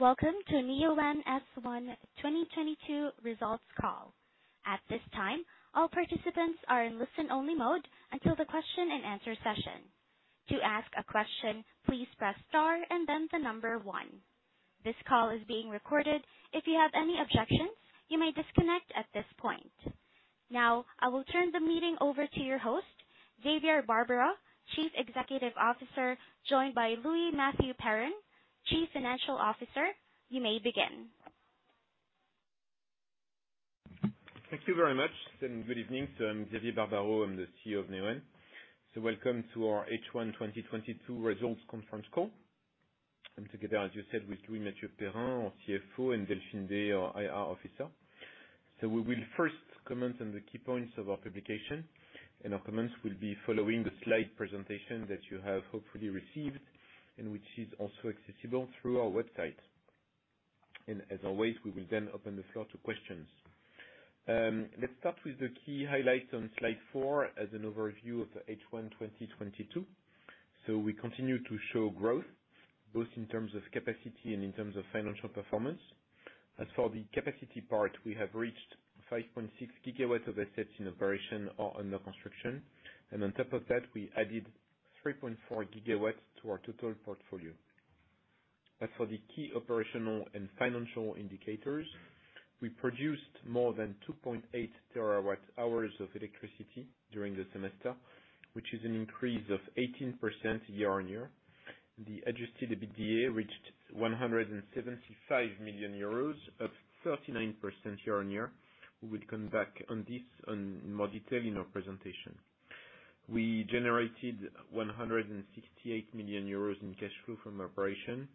Welcome to Neoen's H1 2022 results call. At this time, all participants are in listen-only mode until the Q&A session. To ask a question, please press star and then the number one. This call is being recorded. If you have any objections, you may disconnect at this point. Now, I will turn the meeting over to your host, Xavier Barbaro, Chief Executive Officer, joined by Louis-Mathieu Perrin, Chief Financial Officer. You may begin. Thank you very much, and good evening. I'm Xavier Barbaro. I'm the CEO of Neoen. Welcome to our H1 2022 results conference call. I'm together, as you said, with Louis-Mathieu Perrin, our CFO, and Delphine Dey, our IR officer. We will first comment on the key points of our publication, and our comments will be following the slide presentation that you have hopefully received, and which is also accessible through our website. As always, we will then open the floor to questions. Let's start with the key highlights on slide 4 as an overview of the H1 2022. We continue to show growth, both in terms of capacity and in terms of financial performance. As for the capacity part, we have reached 5.6 GW of assets in operation or under construction. On top of that, we added 3.4 GW to our total portfolio. As for the key operational and financial indicators, we produced more than 2.8 TW hours of electricity during the semester, which is an increase of 18% year-on-year. The adjusted EBITDA reached €175 million, up 39% year-on-year. We will come back on this in more detail in our presentation. We generated €168 million in cash flow from operations,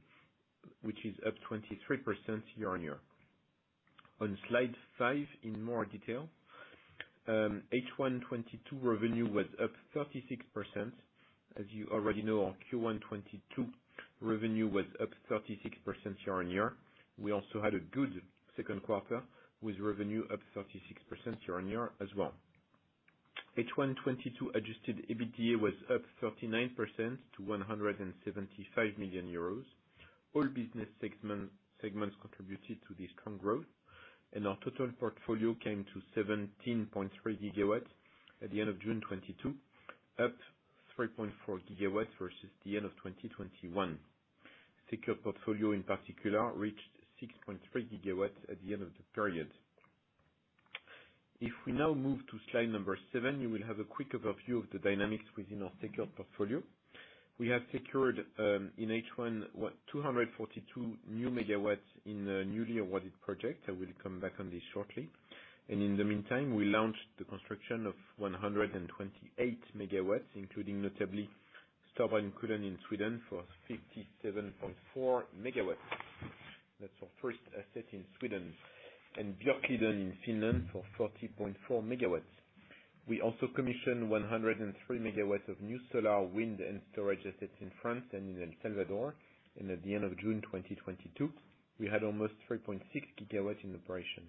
which is up 23% year-on-year. On slide 5, in more detail, H1 2022 revenue was up 36%. As you already know, our Q1 2022 revenue was up 36% year-on-year. We also had a good Q2, with revenue up 36% year-on-year as well. H1 2022 adjusted EBITDA was up 39% to €175 million. All business segments contributed to the strong growth, and our total portfolio came to 17.3 GW at the end of June 2022, up 3.4 GW versus the end of 2021. Secured portfolio in particular reached 6.3 GW at the end of the period. If we now move to slide 7, you will have a quick overview of the dynamics within our secured portfolio. We have secured in H1 242 new MW in a newly awarded project. I will come back on this shortly. In the meantime, we launched the construction of 128 MW, including notably Storbrännkullen in Sweden for 57.4 MW. That's our first asset in Sweden. Björkliden in Finland for 40.4 MW. We also commissioned 103 MW of new solar, wind, and storage assets in France and in El Salvador, and at the end of June 2022, we had almost 3.6 GW in operation.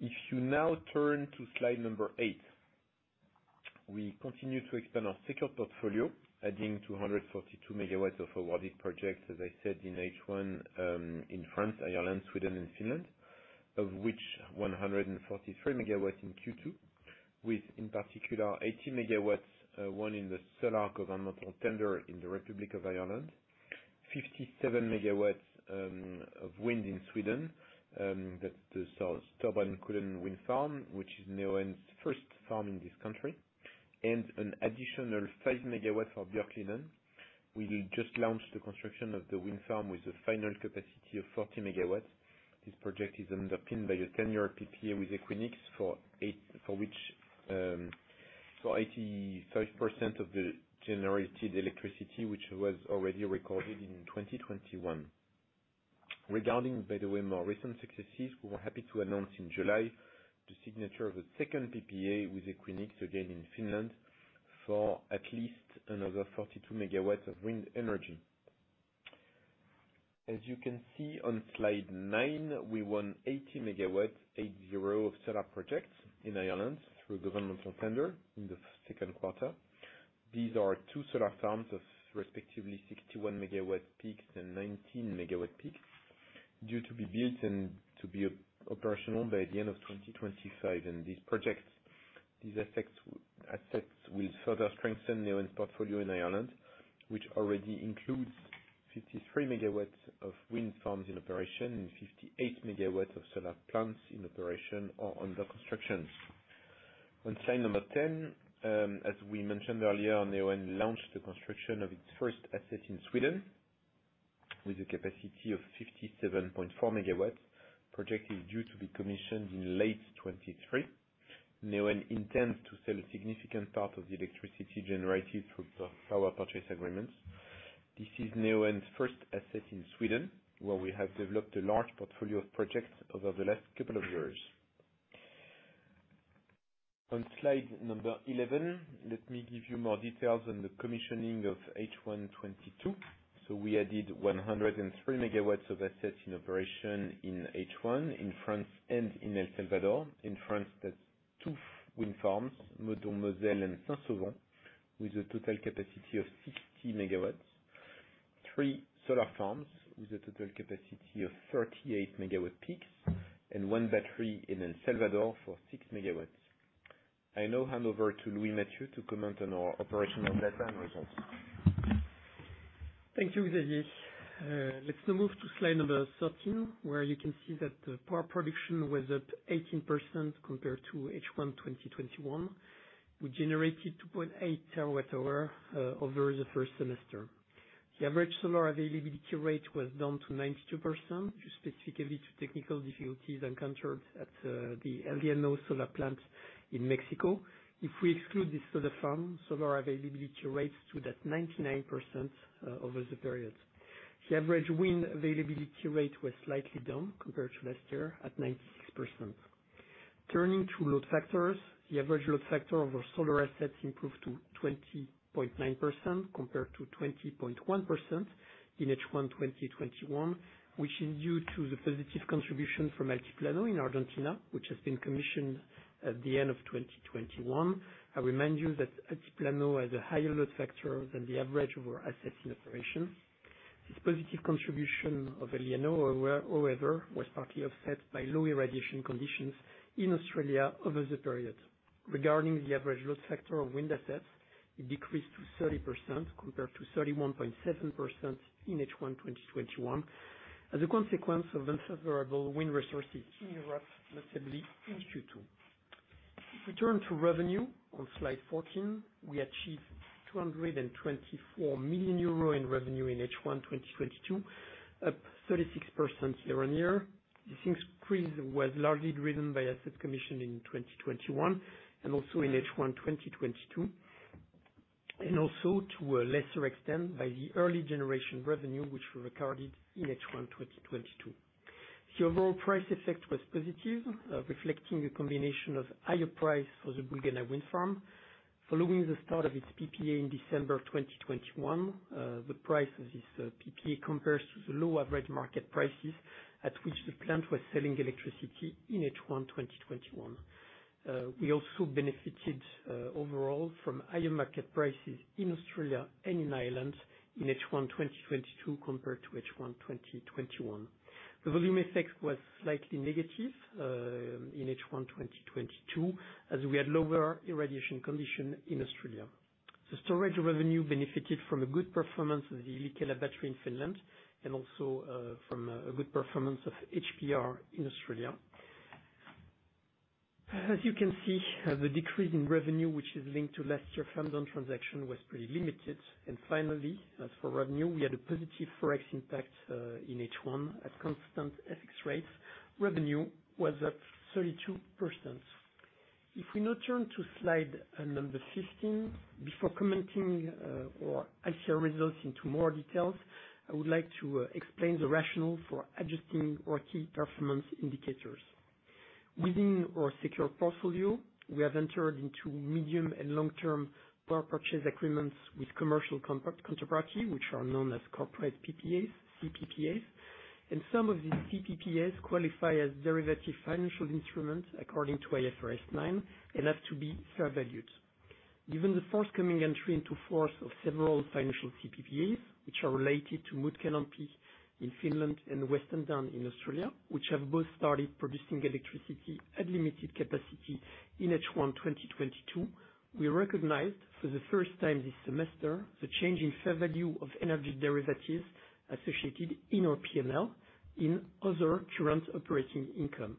If you now turn to slide 8, we continue to expand our secured portfolio, adding 242 MW of awarded projects, as I said, in H1, in France, Ireland, Sweden, and Finland. Of which 143 MW in Q2, with, in particular, 80 MW one in the solar governmental tender in the Republic of Ireland. 57 MW of wind in Sweden, that's the Storbötet Wind Farm, which is Neoen's first farm in this country, and an additional 5 MW of Björkliden. We just launched the construction of the wind farm with a final capacity of 40 MW. This project is underpinned by a 10-year PPA with Equinix for which, for 85% of the generated electricity, which was already recorded in 2021. Regarding, by the way, more recent successes, we were happy to announce in July the signature of a second PPA with Equinix, again in Finland, for at least another 42 MW of wind energy. As you can see on slide 9, we won 80 MW, 8-0, of solar projects in Ireland through governmental tender in the Q2. These are 2 solar farms of respectively 61 MWp and 19 MWp due to be built and to be operational by the end of 2025. These projects, these assets will further strengthen Neoen's portfolio in Ireland, which already includes 53 MW of wind farms in operation and 58 MW of solar plants in operation or under construction. On slide number 10, as we mentioned earlier, Neoen launched the construction of its first asset in Sweden with a capacity of 57.4 MW. The project is due to be commissioned in late 2023. Neoen intends to sell a significant part of the electricity generated through power purchase agreements. This is Neoen's first asset in Sweden, where we have developed a large portfolio of projects over the last couple of years. On slide number 11, let me give you more details on the commissioning of H1 2022. We added 103 MW of assets in operation in H1 in France and in El Salvador. In France, that's 2 wind farms, Madon, Moselle, and Saint-Sauvant, with a total capacity of 60 MW, 3 solar farms with a total capacity of 38 MWp, and one battery in El Salvador for 6 MW. I now hand over to Louis-Mathieu to comment on our operational data and results. Thank you, Xavier. Let's now move to slide 13, where you can see that power production was up 18% compared to H1 2021. We generated 2.8 TW hours over the first semester. The average solar availability rate was down to 92%, due specifically to technical difficulties encountered at the El Llano solar plant in Mexico. If we exclude this solar farm, solar availability rates stood at 99% over the period. The average wind availability rate was slightly down compared to last year at 96%. Turning to load factors, the average load factor of our solar assets improved to 20.9% compared to 20.1% in H1 2021, which is due to the positive contribution from Altiplano in Argentina, which has been commissioned at the end of 2021. I remind you that Altiplano has a higher load factor than the average of our assets in operation. This positive contribution of Altiplano, however, was partly offset by low irradiation conditions in Australia over the period. Regarding the average load factor of wind assets, it decreased to 30% compared to 31.7% in H1 2021, as a consequence of unfavorable wind resources in Europe, notably in 2022. If we turn to revenue on slide 14, we achieved €224 million in revenue in H1 2022, up 36% year-on-year. This increase was largely driven by asset commissioning in 2021 and also in H1 2022, and also to a lesser extent by the early generation revenue, which we recorded in H1 2022. The overall price effect was positive, reflecting a combination of higher price for the Bulgana wind farm. Following the start of its PPA in December of 2021, the price of this PPA compares to the low average market prices at which the plant was selling electricity in H1 2021. We also benefited overall from higher market prices in Australia and in Ireland in H1 2022 compared to H1 2021. The volume effect was slightly negative in H1 2022, as we had lower irradiation condition in Australia. The storage revenue benefited from a good performance of the Yllikkälä battery in Finland and also from a good performance of HPR in Australia. As you can see, the decrease in revenue, which is linked to last year's farm-down transaction, was pretty limited. Finally, as for revenue, we had a positive Forex impact in H1. At constant FX rates, revenue was at 32%. If we now turn to slide number 15, before commenting our H1 results in more detail, I would like to explain the rationale for adjusting our key performance indicators. Within our secured portfolio, we have entered into medium and long-term power purchase agreements with commercial counterparties, which are known as corporate PPAs, CPPAs. Some of these CPPAs qualify as derivative financial instruments according to IFRS 9 and have to be fair valued. Given the forthcoming entry into force of several financial CPPAs, which are related to Mutkalampi in Finland and Western Downs in Australia, which have both started producing electricity at limited capacity in H1 2022, we recognized for the first time this semester the change in fair value of energy derivatives associated in our P&L in other current operating income.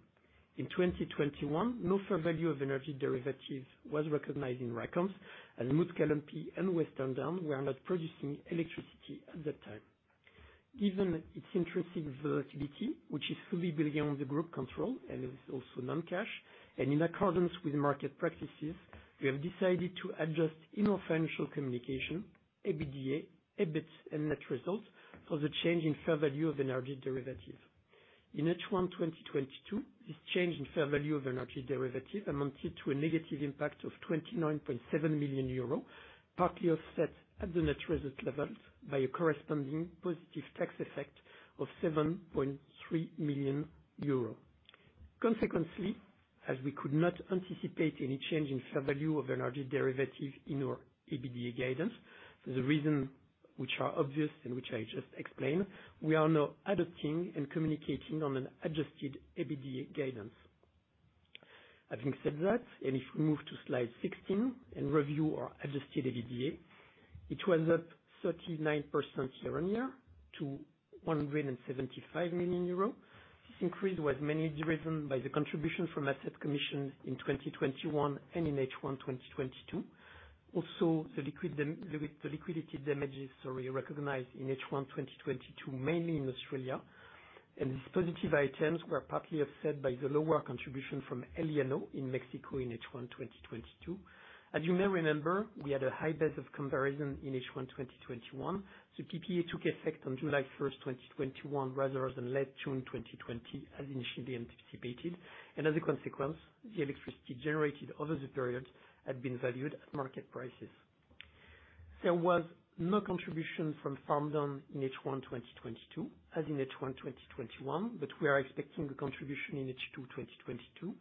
In 2021, no fair value of energy derivatives was recognized in our P&L. Mutkalampi and Western Downs were not producing electricity at that time. Given its intrinsic volatility, which is fully beyond the group control and is also non-cash, and in accordance with market practices, we have decided to adjust in our financial communication, EBITDA, EBIT, and net results for the change in fair value of energy derivative. In H1 2022, this change in fair value of energy derivative amounted to a negative impact of €29.7 million, partly offset at the net result levels by a corresponding positive tax effect of €7.3 million. Consequently, as we could not anticipate any change in fair value of energy derivative in our EBITDA guidance, for the reason which are obvious and which I just explained, we are now adopting and communicating on an adjusted EBITDA guidance. Having said that, if we move to slide 16 and review our adjusted EBITDA, it was up 39% year-on-year to €175 million. This increase was mainly driven by the contribution from asset commissioning in 2021 and in H1 2022. Also, the Liquidated Damages, sorry, recognized in H1 2022, mainly in Australia. These positive items were partly offset by the lower contribution from El Llano in Mexico in H1 2022. As you may remember, we had a high base of comparison in H1 2021. The PPA took effect on July 1, 2021, rather than late June 2020, as initially anticipated. As a consequence, the electricity generated over the period had been valued at market prices. There was no contribution from farm down in H1 2022, as in H1 2021, but we are expecting a contribution in H2 2022.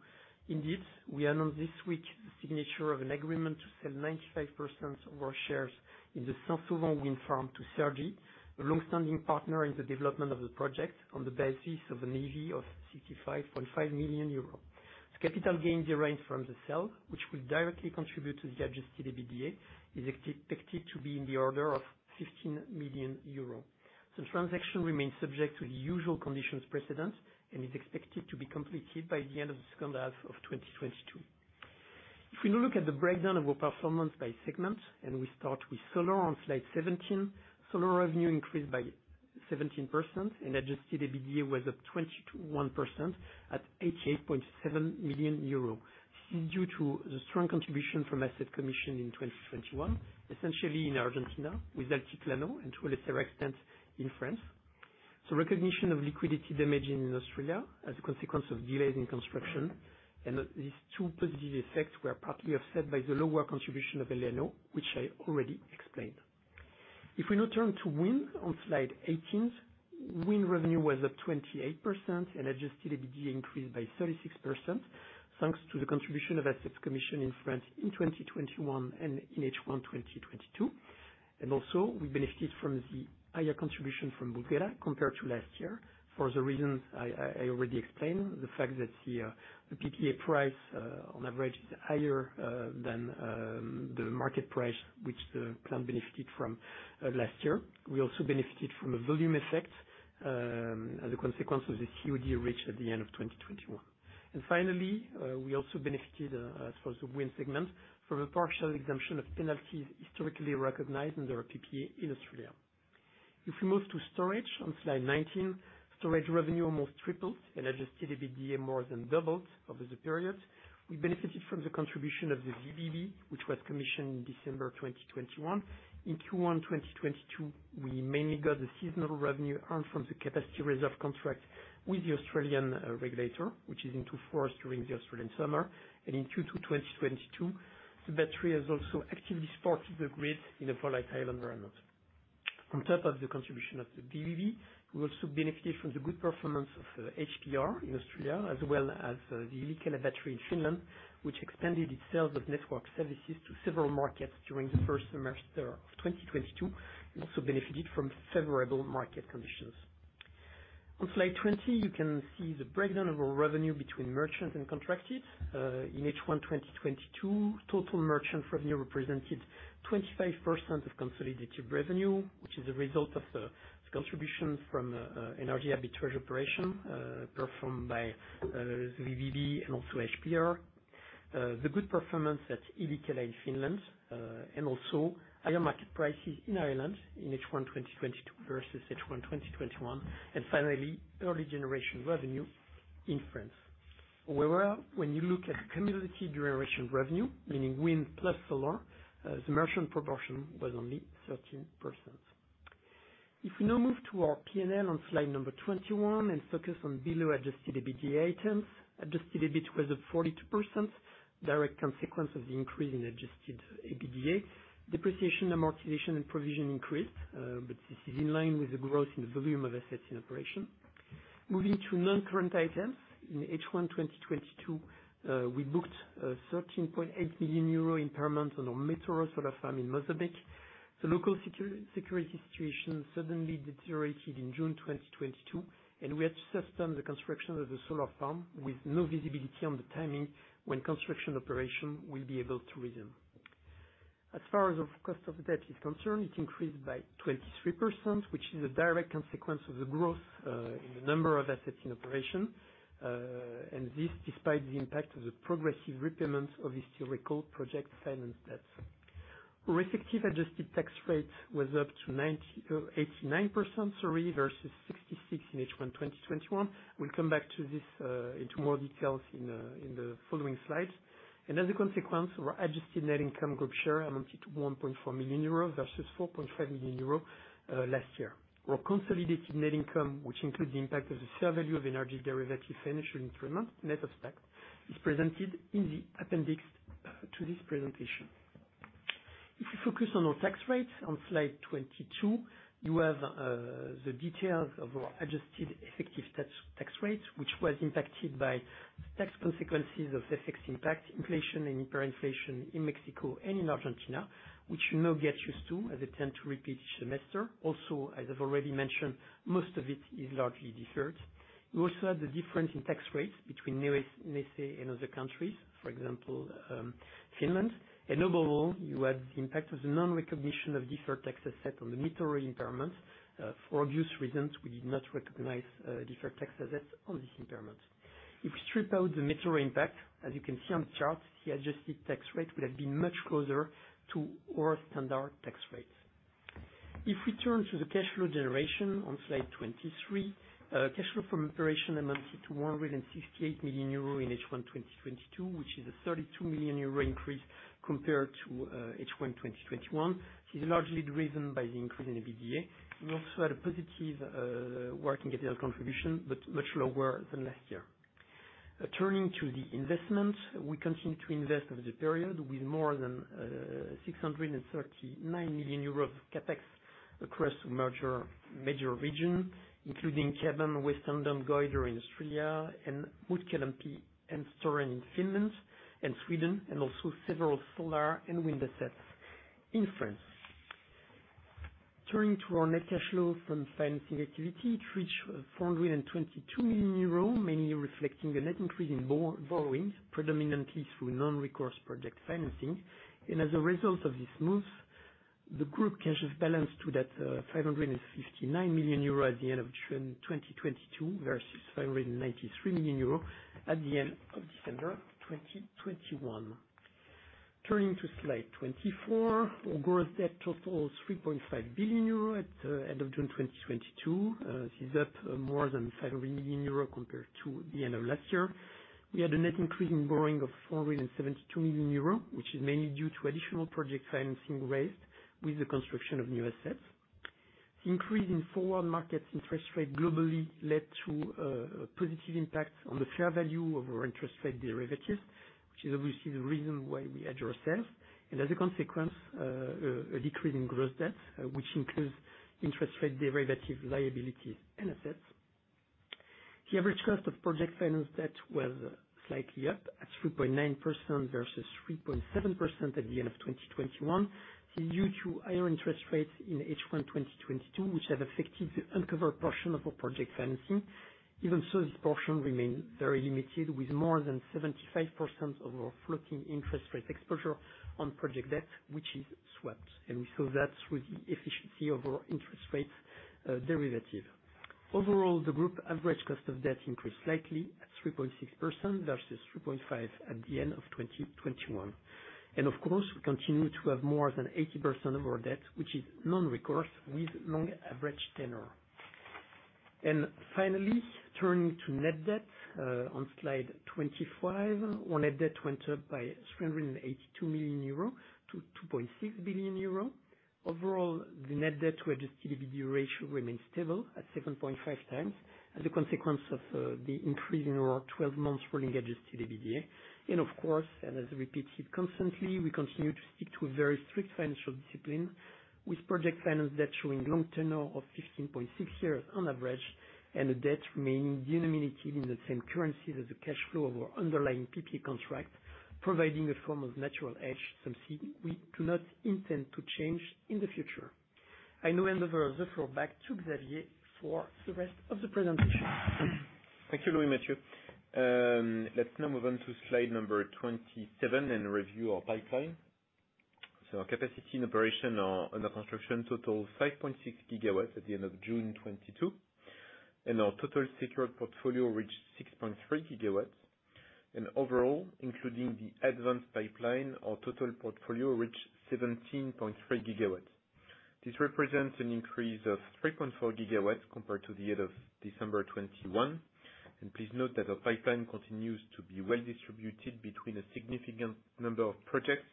Indeed, we announced this week the signature of an agreement to sell 95% of our shares in the Saint-Sauvant Wind Farm to Sorgenia, a long-standing partner in the development of the project, on the basis of an EV of €65.5 million. The capital gains derived from the sale, which will directly contribute to the adjusted EBITDA, is expected to be in the order of €15 million. The transaction remains subject to the usual conditions precedent, and is expected to be completed by the end of the H2 of 2022. If we now look at the breakdown of our performance by segment, and we start with solar on slide 17. Solar revenue increased by 17% and adjusted EBITDA was up 21% at €88.7 million, due to the strong contribution from assets commissioned in 2021, essentially in Argentina, with Altiplano, and to a lesser extent, in France. Recognition of liquidated damages in Australia as a consequence of delays in construction, and these 2 positive effects were partly offset by the lower contribution of El Llano, which I already explained. If we now turn to wind on slide 18. Wind revenue was up 28% and adjusted EBITDA increased by 36%, thanks to the contribution of assets commissioned in France in 2021 and in H1 2022. Also we benefit from the higher contribution from Bulgana compared to last year for the reasons I already explained. The fact that the PPA price on average is higher than the market price which the plant benefited from last year. We also benefited from a volume effect as a consequence of the COD reached at the end of 2021. Finally, we also benefited as for the wind segment from a partial exemption of penalties historically recognized under our PPA in Australia. If we move to storage on slide 19. Storage revenue almost tripled, and adjusted EBITDA more than doubled over the period. We benefited from the contribution of the VBB, which was commissioned in December 2021. In Q1 2022, we mainly got the seasonal revenue earned from the capacity reserve contract with the Australian regulator, which came into force during the Australian summer. In Q2 2022, the battery has also actively supported the grid in a volatile environment. On top of the contribution of the VBB, we also benefited from the good performance of HPR in Australia, as well as the Yllikkälä battery in Finland, which expanded its sales of network services to several markets during the first semester of 2022. We also benefited from favorable market conditions. On slide 20, you can see the breakdown of our revenue between merchant and contracted. In H1 2022, total merchant revenue represented 25% of consolidated revenue, which is a result of the contribution from energy arbitrage operation performed by the VBB and also HPR. The good performance at Ilika in Finland, and also higher market prices in Ireland in H1 2022 versus H1 2021. Finally, early generation revenue in France. However, when you look at cumulative generation revenue, meaning wind plus solar, the merchant proportion was only 13%. If we now move to our P&L on slide number 21 and focus on below adjusted EBITDA items. Adjusted EBIT was up 42%, direct consequence of the increase in adjusted EBITDA. Depreciation, amortization, and provision increased, but this is in line with the growth in the volume of assets in operation. Moving to non-current items. In H1 2022, we booked a €13.8 million impairment on our Metoro solar farm in Mozambique. The local security situation suddenly deteriorated in June 2022, and we had to suspend the construction of the solar farm, with no visibility on the timing when construction operation will be able to resume. As far as our cost of debt is concerned, it increased by 23%, which is a direct consequence of the growth in the number of assets in operation. This despite the impact of the progressive repayments of historical project finance debt. Our effective adjusted tax rate was up to 89%, sorry, versus 66% in H1 2021. We'll come back to this into more details in the following slides. As a consequence, our adjusted net income group share amounted to €1.4 million versus €4.5 million last year. Our consolidated net income, which includes the impact of the fair value of energy derivative financial instruments, net of tax, is presented in the appendix to this presentation. If you focus on our tax rates on slide 22, you have the details of our adjusted effective tax rate, which was impacted by tax consequences of FX impact, inflation and hyperinflation in Mexico and in Argentina, which you now get used to as they tend to repeat each semester. Also, as I've already mentioned, most of it is largely deferred. You also have the difference in tax rates between Neoen and other countries, for example, Finland. Overall, you have the impact of the non-recognition of deferred tax asset on the Metoro impairment. For obvious reasons, we did not recognize deferred tax assets on this impairment. If we strip out the Metoro impact, as you can see on the chart, the adjusted tax rate would have been much closer to our standard tax rates. If we turn to the cash flow generation on slide 23. Cash flow from operations amounted to €168 million in H1 2022, which is a €32 million increase compared to H1 2021, which is largely driven by the increase in EBITDA. We also had a positive working capital contribution, but much lower than last year. Turning to the investment, we continue to invest over the period with more than €639 million of CapEx across major regions, including Kaban, Western Downs, Goyder in Australia, and Mutkalampi and Storbrännkullen in Finland and Sweden, and also several solar and wind assets in France. Turning to our net cash flow from financing activity, it reached €422 million, mainly reflecting the net increase in borrowing predominantly through non-recourse project financing. As a result of this move, the group's cash balance stood at €559 million at the end of June 2022 versus €593 million at the end of December 2021. Turning to slide 24. Our growth debt totals €3.5 billion at end of June 2022. This is up more than €5 million compared to the end of last year. We had a net increase in borrowing of €472 million, which is mainly due to additional project financing raised with the construction of new assets. Increase in forward markets interest rate globally led to a positive impact on the fair value of our interest rate derivatives, which is obviously the reason why we hedge ourselves. As a consequence, a decrease in gross debt, which includes interest rate derivative liability and assets. The average cost of project finance debt was slightly up at 3.9% versus 3.7% at the end of 2021, due to higher interest rates in H1 2022, which have affected the uncovered portion of our project financing. Even so, this portion remains very limited, with more than 75% of our floating interest rate exposure on project debt, which is swept, and we saw that with the efficiency of our interest rate derivative. Overall, the group average cost of debt increased slightly at 3.6% versus 3.5% at the end of 2021. Of course, we continue to have more than 80% of our debt, which is non-recourse, with long average tenure. Finally, turning to net debt, on slide 25. Our net debt went up by €382 million-€2.6 billion. Overall, the net debt to adjusted EBITDA ratio remains stable at 7.5x as a consequence of the increase in our 12-month rolling adjusted EBITDA. Of course, and as I repeat it constantly, we continue to stick to a very strict financial discipline with project finance debt showing long tenure of 15.6 years on average, and the debt remaining denominated in the same currency as the cash flow of our underlying PPA contract, providing a form of natural hedge, something we do not intend to change in the future. I now hand over the floor back to Xavier for the rest of the presentation. Thank you, Louis-Mathieu. Let's now move on to slide 27 and review our pipeline. Our capacity in operation and under construction total 5.6 GW at the end of June 2022, and our total secured portfolio reached 6.3 GW. Overall, including the advanced pipeline, our total portfolio reached 17.3 GW. This represents an increase of 3.4 GW compared to the end of December 2021. Please note that our pipeline continues to be well-distributed between a significant number of projects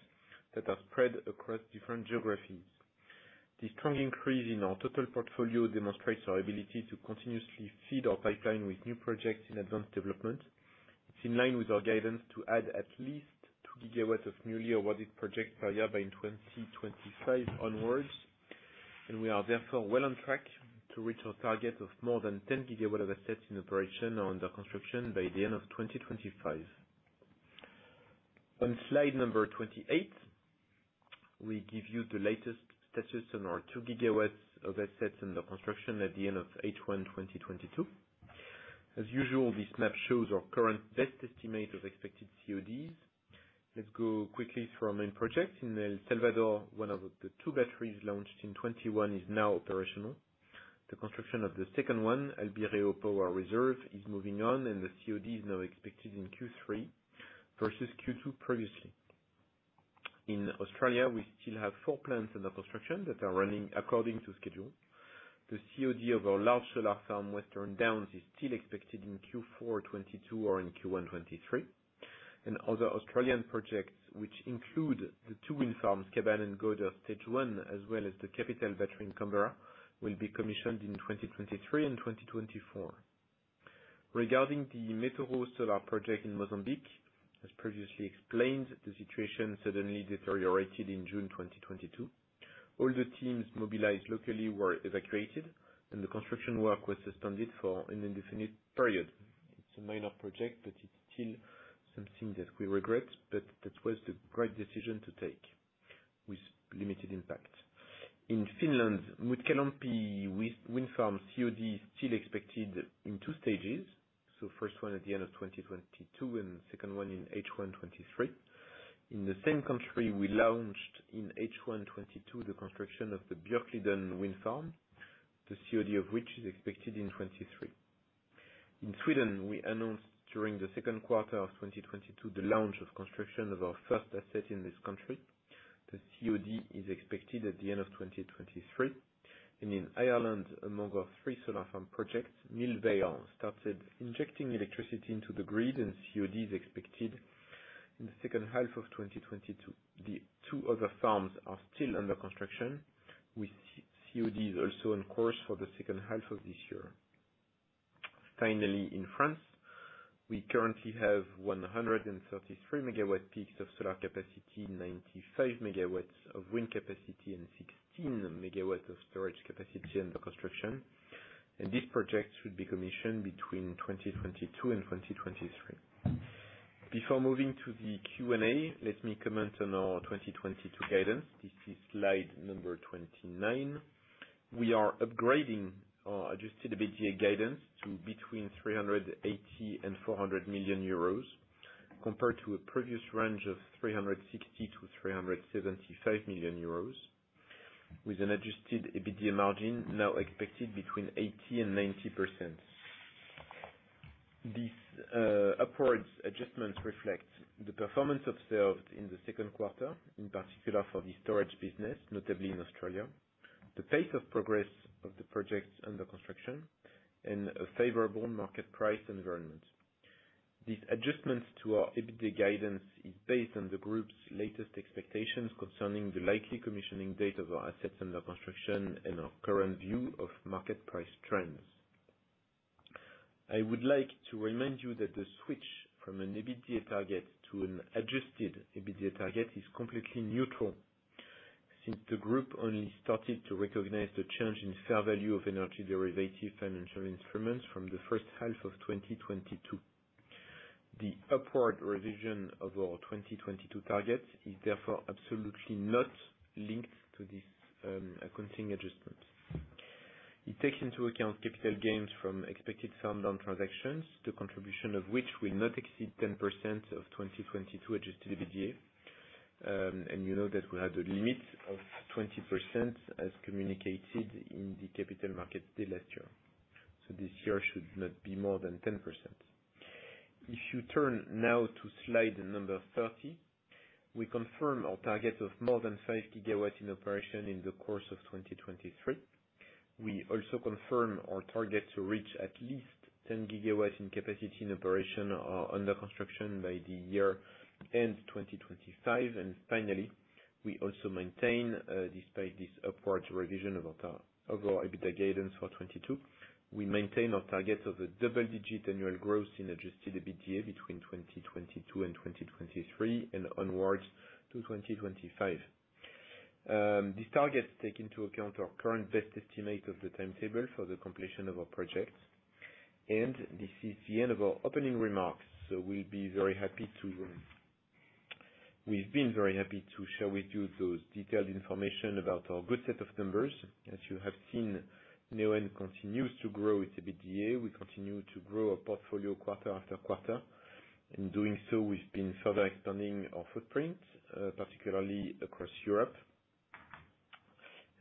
that are spread across different geographies. The strong increase in our total portfolio demonstrates our ability to continuously feed our pipeline with new projects in advanced development. It's in line with our guidance to add at least 2 GW of newly awarded projects per year by 2025 onwards. We are therefore well on track to reach our target of more than 10 GW of assets in operation or under construction by the end of 2025. On slide number 28, we give you the latest status on our 2 GW of assets under construction at the end of H1 2022. As usual, this map shows our current best estimate of expected CODs. Let's go quickly through our main projects. In El Salvador, one of the 2 batteries launched in 2021 is now operational. The construction of the second one, Albireo Power Reserve, is moving on, and the COD is now expected in Q3 versus Q2 previously. In Australia, we still have 4 plants under construction that are running according to schedule. The COD of our large solar farm, Western Downs, is still expected in Q4 2022 or in Q1 2023. Other Australian projects, which include the 2 wind farms, Kaban and Goyder South Stage 1, as well as the Capital Battery in Canberra, will be commissioned in 2023 and 2024. Regarding the Metoro solar project in Mozambique, as previously explained, the situation suddenly deteriorated in June 2022. All the teams mobilized locally were evacuated, and the construction work was suspended for an indefinite period. It's a minor project, but it's still something that we regret, but that was the correct decision to take, with limited impact. In Finland, Mutkalampi wind farm COD is still expected in 2 stages, so first one at the end of 2022 and second one in H1 2023. In the same country, we launched in H1 2022 the construction of the Björkliden wind farm, the COD of which is expected in 2023. In Sweden, we announced during the Q2 of 2022 the launch of construction of our first asset in this country. The COD is expected at the end of 2023. In Ireland, among our 3 solar farm projects, Millvale started injecting electricity into the grid, and COD is expected in the H2 of 2022. The 2 other farms are still under construction, with COD also on course for the H2 of this year. Finally, in France, we currently have 133 MWp of solar capacity, 95 MW of wind capacity, and 16 MW of storage capacity under construction. These projects should be commissioned between 2022 and 2023. Before moving to the Q&A, let me comment on our 2022 guidance. This is slide number 29. We are upgrading our adjusted EBITDA guidance to between €380 million and €400 million compared to a previous range of €360 million-€375 million, with an adjusted EBITDA margin now expected between 80% and 90%. This upwards adjustment reflects the performance observed in the Q2, in particular for the storage business, notably in Australia, the pace of progress of the projects under construction and a favorable market price environment. These adjustments to our EBITDA guidance is based on the group's latest expectations concerning the likely commissioning date of our assets under construction and our current view of market price trends. I would like to remind you that the switch from an EBITDA target to an adjusted EBITDA target is completely neutral, since the group only started to recognize the change in fair value of energy derivative financial instruments from the H1 of 2022. The upward revision of our 2022 targets is therefore absolutely not linked to this, accounting adjustment. It takes into account capital gains from expected farm down transactions, the contribution of which will not exceed 10% of 2022 adjusted EBITDA. And you know that we have the limit of 20% as communicated in the capital market day last year. This year should not be more than 10%. If you turn now to slide number 30, we confirm our target of more than 5 GW in operation in the course of 2023. We also confirm our target to reach at least 10 GW in capacity and operation, under construction by the year-end 2025. Finally, we also maintain, despite this upward revision of our EBITDA guidance for 2022, we maintain our target of a double-digit annual growth in adjusted EBITDA between 2022 and 2023 and onwards to 2025. These targets take into account our current best estimate of the timetable for the completion of our projects. This is the end of our opening remarks. We've been very happy to share with you those detailed information about our good set of numbers. As you have seen, Neoen continues to grow its EBITDA. We continue to grow our portfolio quarter after quarter. In doing so, we've been further expanding our footprint, particularly across Europe.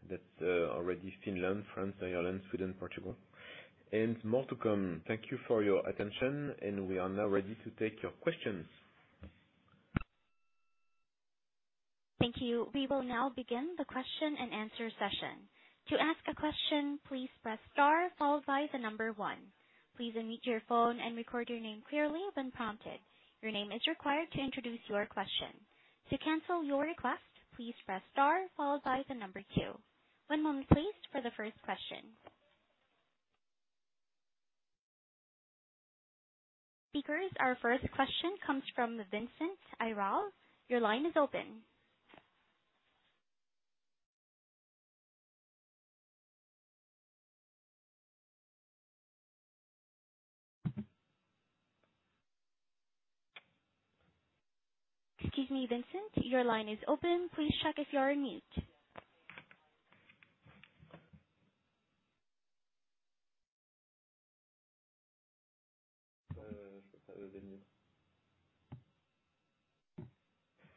That's already Finland, France, Ireland, Sweden, Portugal, and more to come. Thank you for your attention, and we are now ready to take your questions. Thank you. We will now begin the Q&A session. To ask a question, please press star followed by the number one. Please unmute your phone and record your name clearly when prompted. Your name is required to introduce your question. To cancel your request, please press star followed by the number 2. One moment, please, for the first question. Speakers, our first question comes from Vincent Ayral. Your line is open. Excuse me, Vincent, your line is open. Please check if you're on mute.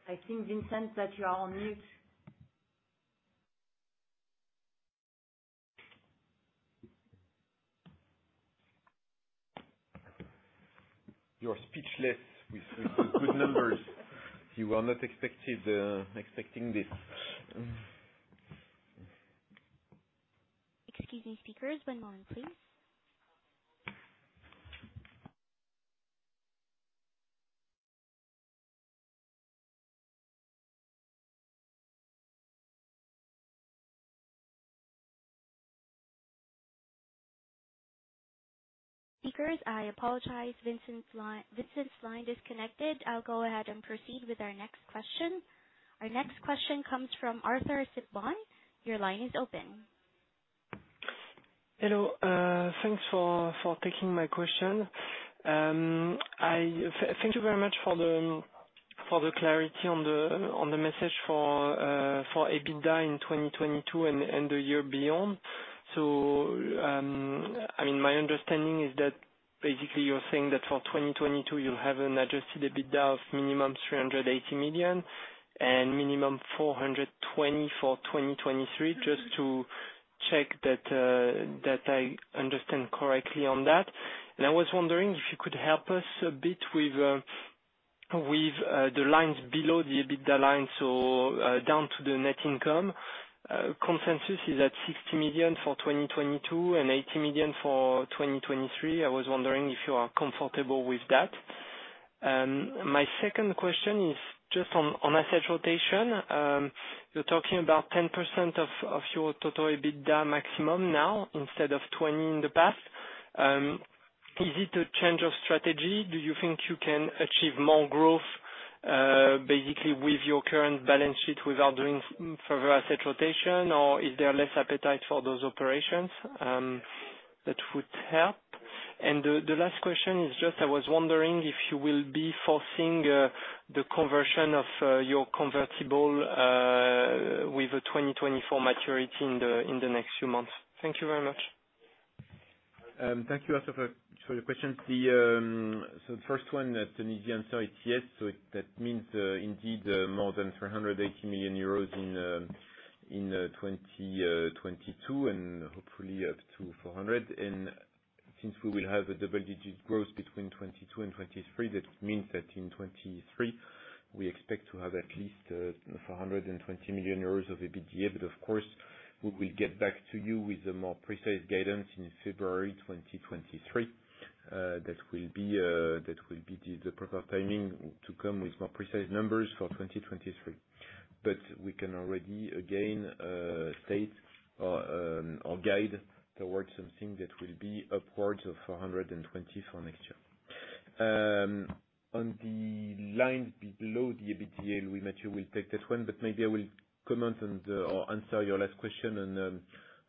I think, Vincent, that you are on mute. You are speechless with the good numbers. You were not expecting this. Excuse me, speakers, one moment, please. Speakers, I apologize. Vincent's line disconnected. I'll go ahead and proceed with our next question. Our next question comes from Arthur Sitbon. Your line is open. Hello. Thanks for taking my question. I thank you very much for the clarity on the message for EBITDA in 2022 and the year beyond. I mean, my understanding is that basically you're saying that for 2022 you'll have an adjusted EBITDA of minimum €380 million and minimum €420 million for 2023, just to check that I understand correctly on that. I was wondering if you could help us a bit with the lines below the EBITDA line, down to the net income. Consensus is at €60 million for 2022 and €80 million for 2023. I was wondering if you are comfortable with that. My second question is just on asset rotation. You're talking about 10% of your total EBITDA maximum now instead of 20 in the past. Is it a change of strategy? Do you think you can achieve more growth, basically with your current balance sheet without doing further asset rotation, or is there less appetite for those operations that would help? The last question is just I was wondering if you will be forcing the conversion of your convertible with a 2024 maturity in the next few months. Thank you very much. Thank you also for your questions. The first one, that means indeed more than €380 million in 2022 and hopefully up to €400 million. Since we will have a double-digit growth between 2022 and 2023, that means that in 2023 we expect to have at least €420 million of EBITDA. Of course, we will get back to you with a more precise guidance in February 2023. That will be the proper timing to come with more precise numbers for 2023. We can already again state or guide towards something that will be upwards of €420 million for next year. On the lines below the EBITDA, we'll take that one, but maybe I will comment on or answer your last question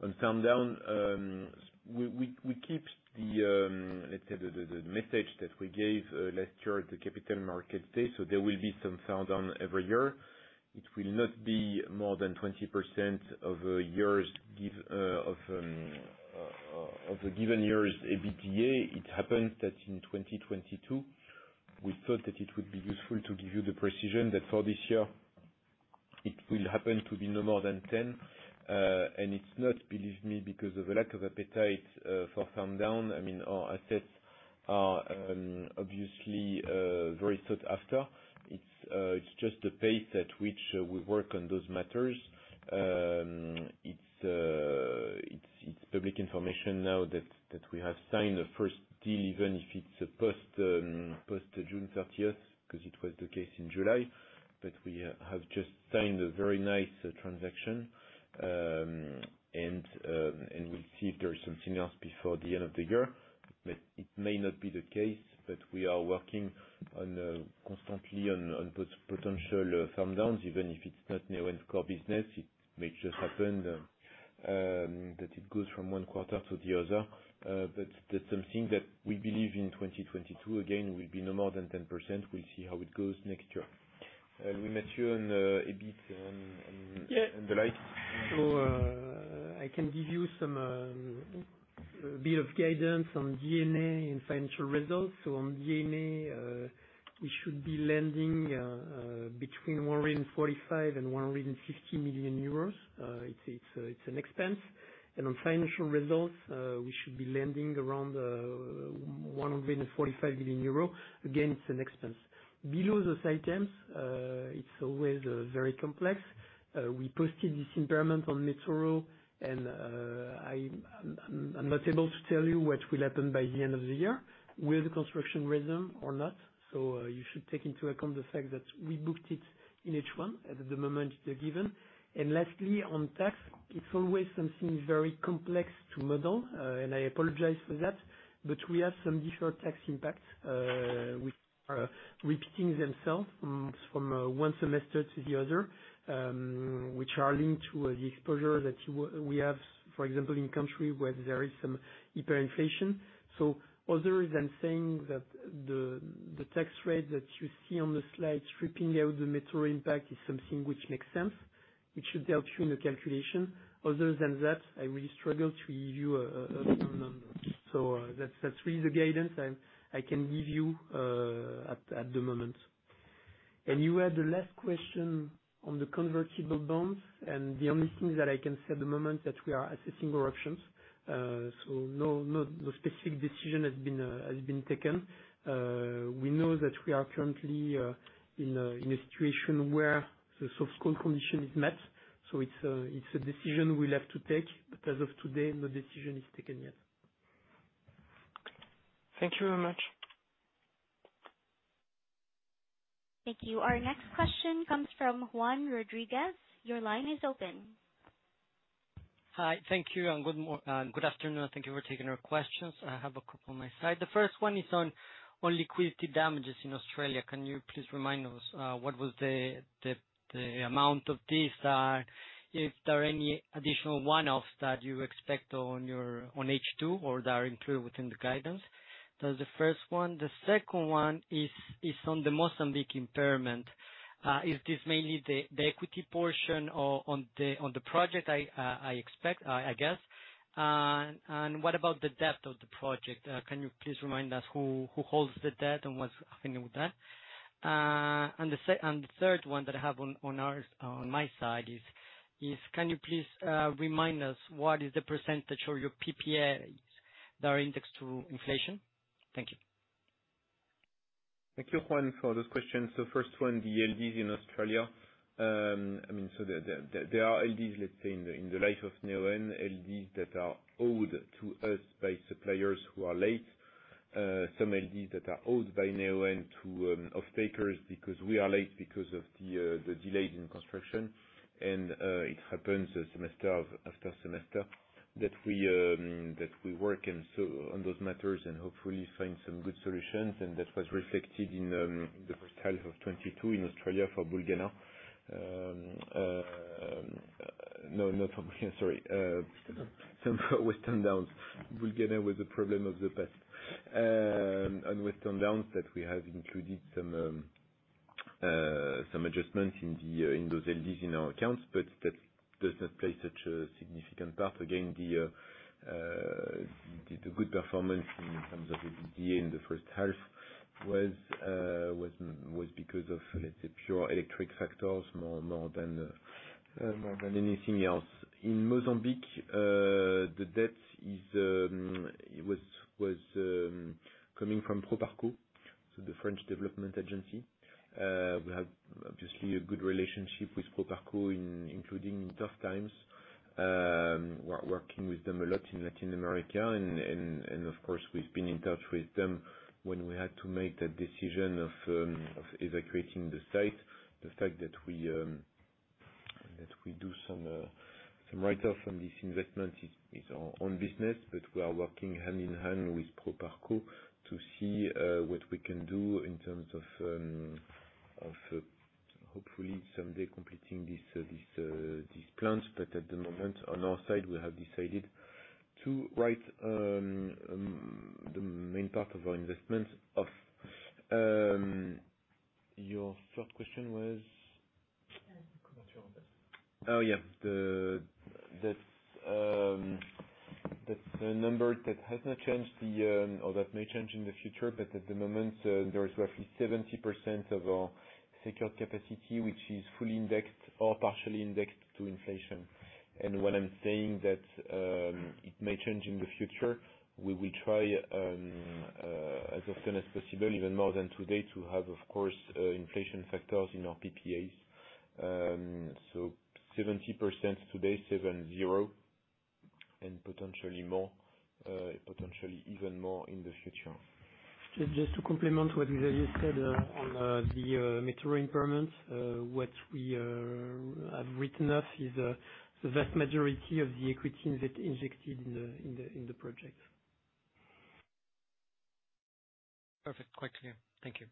on farm down. We keep the, let's say, the message that we gave last year at the capital market day. There will be some farm down every year. It will not be more than 20% of the given year's EBITDA. It happened that in 2022 we thought that it would be useful to give you the precision that for this year it will happen to be no more than 10%. It's not, believe me, because of a lack of appetite for farm down. I mean, our assets are obviously very sought after. It's just the pace at which we work on those matters. It's public information now that we have signed a first deal, even if it's post June 30, 'cause it was the case in July, but we have just signed a very nice transaction. And we'll see if there is something else before the end of the year. It may not be the case, but we are working constantly on potential farm downs, even if it's not Neoen core business. It may just happen that it goes from one quarter to the other. That's something that we believe in 2022, again, will be no more than 10%. We'll see how it goes next year. Louis-Mathieu on EBIT and Yeah. And the like. I can give you some a bit of guidance on D&A and financial results. On D&A, we should be landing between €145 million and €150 million. It's an expense. On financial results, we should be landing around €145 million. Again, it's an expense. Below those items, it's always very complex. We posted this impairment on Metoro and I'm not able to tell you what will happen by the end of the year, will the construction resume or not. You should take into account the fact that we booked it in H1. At the moment, the guidance. Lastly, on tax, it's always something very complex to model and I apologize for that. We have some deferred tax impact, which are repeating themselves from one semester to the other, which are linked to the exposure that we have, for example, in country where there is some hyperinflation. Other than saying that the tax rate that you see on the slide stripping out the Metoro impact is something which makes sense. It should help you in the calculation. Other than that, I really struggle to give you a firm number. That's really the guidance I can give you at the moment. You had the last question on the convertible bonds, and the only thing that I can say at the moment that we are assessing our options. No specific decision has been taken. We know that we are currently in a situation where the soft call condition is met, so it's a decision we'll have to take, but as of today, no decision is taken yet. Thank you very much. Thank you. Our next question comes from Juan Rodriguez. Your line is open. Hi. Thank you, and good afternoon. Thank you for taking our questions. I have a couple on my side. The first one is on Liquidated Damages in Australia. Can you please remind us what was the amount of this? If there are any additional one-offs that you expect on H2 or that are included within the guidance? That's the first one. The second one is on the Mozambique impairment. Is this mainly the equity portion or on the project I expect, I guess. What about the debt of the project? Can you please remind us who holds the debt and what's happening with that? The third one that I have on my side is, can you please remind us what is the percentage of your PPAs that are indexed to inflation? Thank you. Thank you, Juan, for those questions. First one, the LDs in Australia. I mean, there are LDs, let's say, in the life of Neoen, LDs that are owed to us by suppliers who are late. Some LDs that are owed by Neoen to offtakers because we are late because of the delays in construction. It happens semester after semester that we work on those matters and hopefully find some good solutions, and that was reflected in the H1 of 2022 in Australia for Bulgana. No, not for. Sorry. Some with Western Downs. Bulgana was a problem of the past. Western Downs that we have included some adjustments in those LDs in our accounts, but that does not play such a significant part. Again, the good performance in terms of EBITDA in the H1 was because of, let's say, pure electricity factors more than anything else. In Mozambique, the debt, it was coming from Proparco, so the French development agency. We have obviously a good relationship with Proparco, including in tough times. Working with them a lot in Latin America. Of course, we've been in touch with them when we had to make the decision of evacuating the site. The fact that we do some write-off from this investment is our own business, but we are working hand in hand with Proparco to see what we can do in terms of hopefully someday completing these plans. At the moment, on our side, we have decided to write the main part of our investments off. Your third question was? Commercial risk. Oh, yeah. That's a number that has not changed, or that may change in the future, but at the moment, there's roughly 70% of our secured capacity, which is fully indexed or partially indexed to inflation. When I'm saying that, it may change in the future, we will try, as often as possible, even more than today, to have, of course, inflation factors in our PPAs. 70% today, 70, and potentially more, potentially even more in the future. Just to complement what Xavier said, on the material impairments, what we have written off is the vast majority of the equity that's injected in the project. Perfect. Quite clear. Thank you.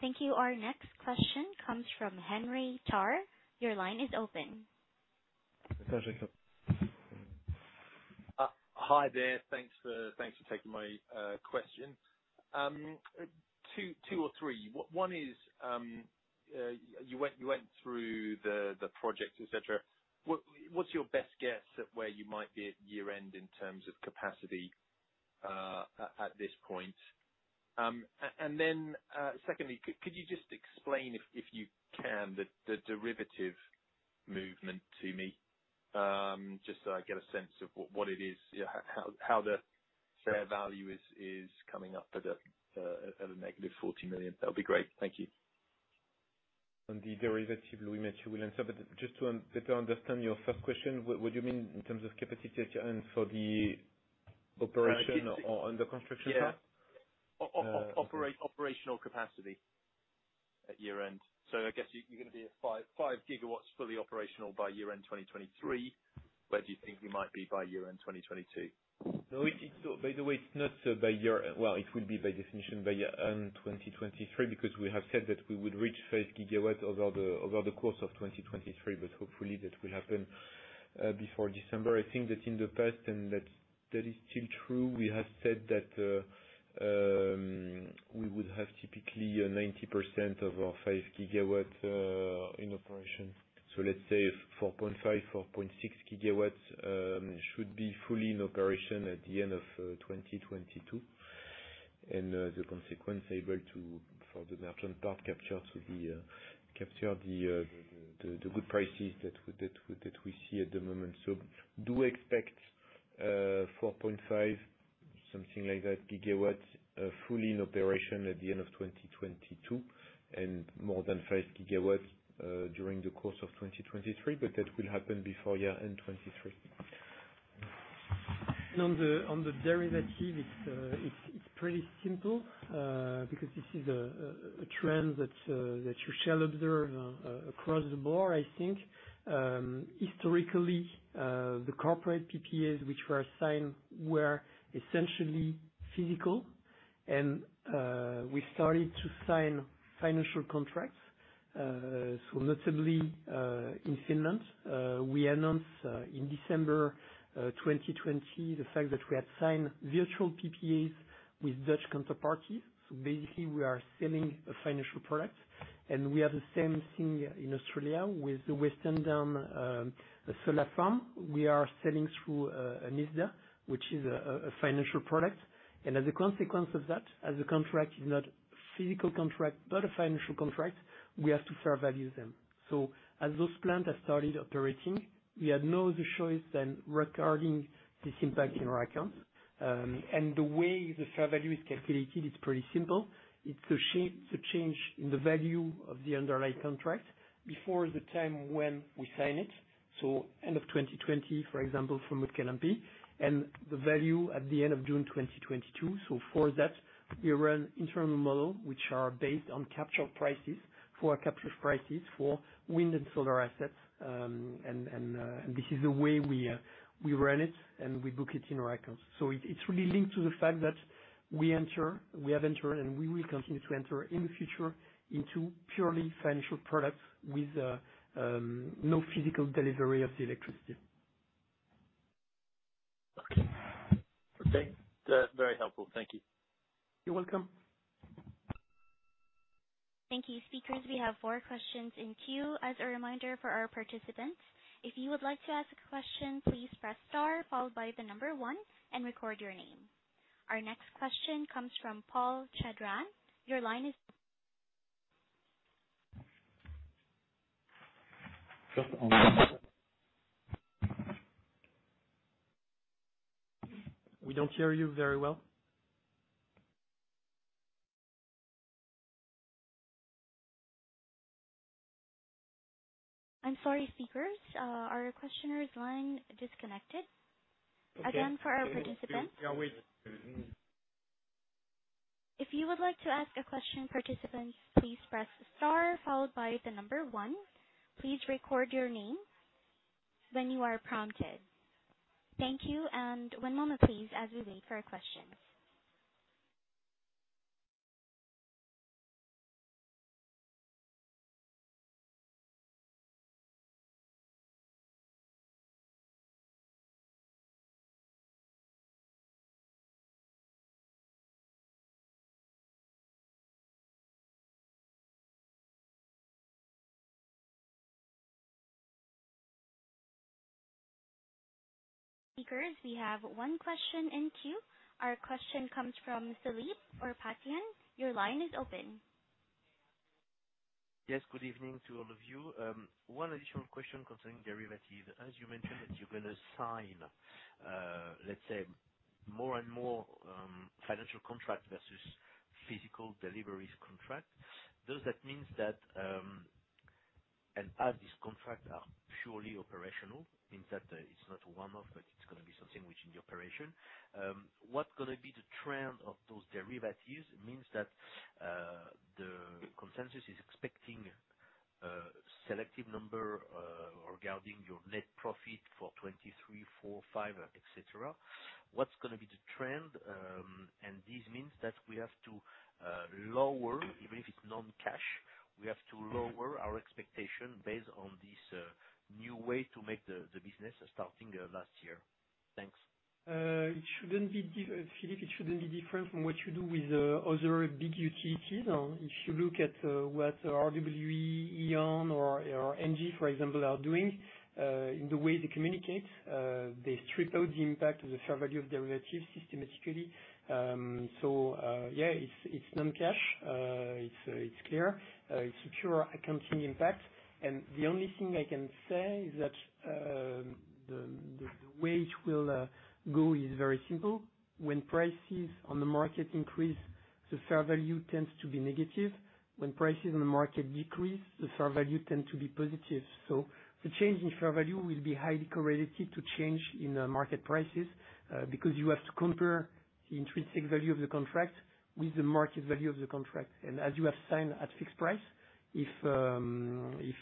Thank you. Our next question comes from Henry Tarr. Your line is open. Hi, Jacob. Hi there. Thanks for taking my question. 2 or 3. One is, you went through the project, et cetera. What’s your best guess at where you might be at year-end in terms of capacity at this point? Then, secondly, could you just explain if you can, the derivative movement to me, just so I get a sense of what it is, you know, how the share value is coming up at a negative €40 million? That’ll be great. Thank you. On the derivative, Louis-Michel will answer, but just to better understand your first question, what do you mean in terms of capacity at year-end for the operation or on the construction part? Yeah. Operational capacity at year-end. I guess you're gonna be at 5 GW fully operational by year-end 2023. Where do you think we might be by year-end 2022? No, it's. By the way, it's not by year. Well, it would be by definition by year-end 2023 because we have said that we would reach 5 GW over the course of 2023, but hopefully that will happen before December. I think that in the past, and that is still true, we have said that we would have typically 90% of our 5 GW in operation. So let's say 4.5, 4.6 GW should be fully in operation at the end of 2022. The consequence able to, for the natural part, capture the good prices that we see at the moment. Do expect 4.5, something like that, GW fully in operation at the end of 2022, and more than 5 GW during the course of 2023, but that will happen before year-end 2023. On the derivative, it's pretty simple, because this is a trend that you shall observe across the board, I think. Historically, the corporate PPAs which were signed were essentially physical, and we started to sign financial contracts, so notably, in Finland, we announced, in December 2020 the fact that we had signed virtual PPAs with Dutch counterparties. Basically, we are selling a financial product, and we have the same thing in Australia with the Western Downs solar farm. We are selling through ISDA, which is a financial product. As a consequence of that, as the contract is not physical contract, but a financial contract, we have to fair value them. As those plants have started operating, we had no other choice than regarding this impact in our accounts. The way the fair value is calculated, it's pretty simple. It's the change in the value of the underlying contract before the time when we sign it, so end of 2020, for example, for Mutkalampi, and the value at the end of June 2022. For that, we run internal model, which are based on capture prices for capture prices for wind and solar assets. This is the way we run it and we book it in our accounts. It's really linked to the fact that we have entered, and we will continue to enter in the future into purely financial products with no physical delivery of the electricity. Okay. That's very helpful. Thank you. You're welcome. Thank you, speakers. We have 4 questions in queue. As a reminder for our participants, if you would like to ask a question, please press star followed by the number one, and record your name. Our next question comes from Paul Chedron. Your line is open. Just one moment. We don't hear you very well. I'm sorry, speakers. Our questioner's line disconnected. Okay. Again, for our participants. Yeah, wait. Mm-hmm. If you would like to ask a question, participants, please press star followed by the number one. Please record your name when you are prompted. Thank you, and one moment please as we wait for a question. Speakers, we have one question in queue. Our question comes from Philippe Ourpatian. Your line is open. Yes, good evening to all of you. One additional question concerning derivative. As you mentioned that you're gonna sign, let's say more and more, financial contract versus physical deliveries contract, does that means that. As these contracts are purely operational, means that it's not a one-off, but it's gonna be something which in the operation, what gonna be the trend of those derivatives? It means that, the consensus is expecting, selective number, regarding your net profit for 2023, 2024, 2025, et cetera. What's gonna be the trend, and this means that we have to, lower, even if it's non-cash, we have to lower our expectation based on this, new way to make the business starting, last year. Thanks. It shouldn't be different from what you do with other big utilities. If you look at what RWE, E.ON or ENGIE, for example, are doing in the way they communicate, they strip out the impact of the fair value of derivatives systematically. Yeah, it's non-cash. It's clear. It's a pure accounting impact. The only thing I can say is that the way it will go is very simple. When prices on the market increase, the fair value tends to be negative. When prices on the market decrease, the fair value tend to be positive. The change in fair value will be highly correlated to change in the market prices, because you have to compare the intrinsic value of the contract with the market value of the contract. As you have signed at fixed price, if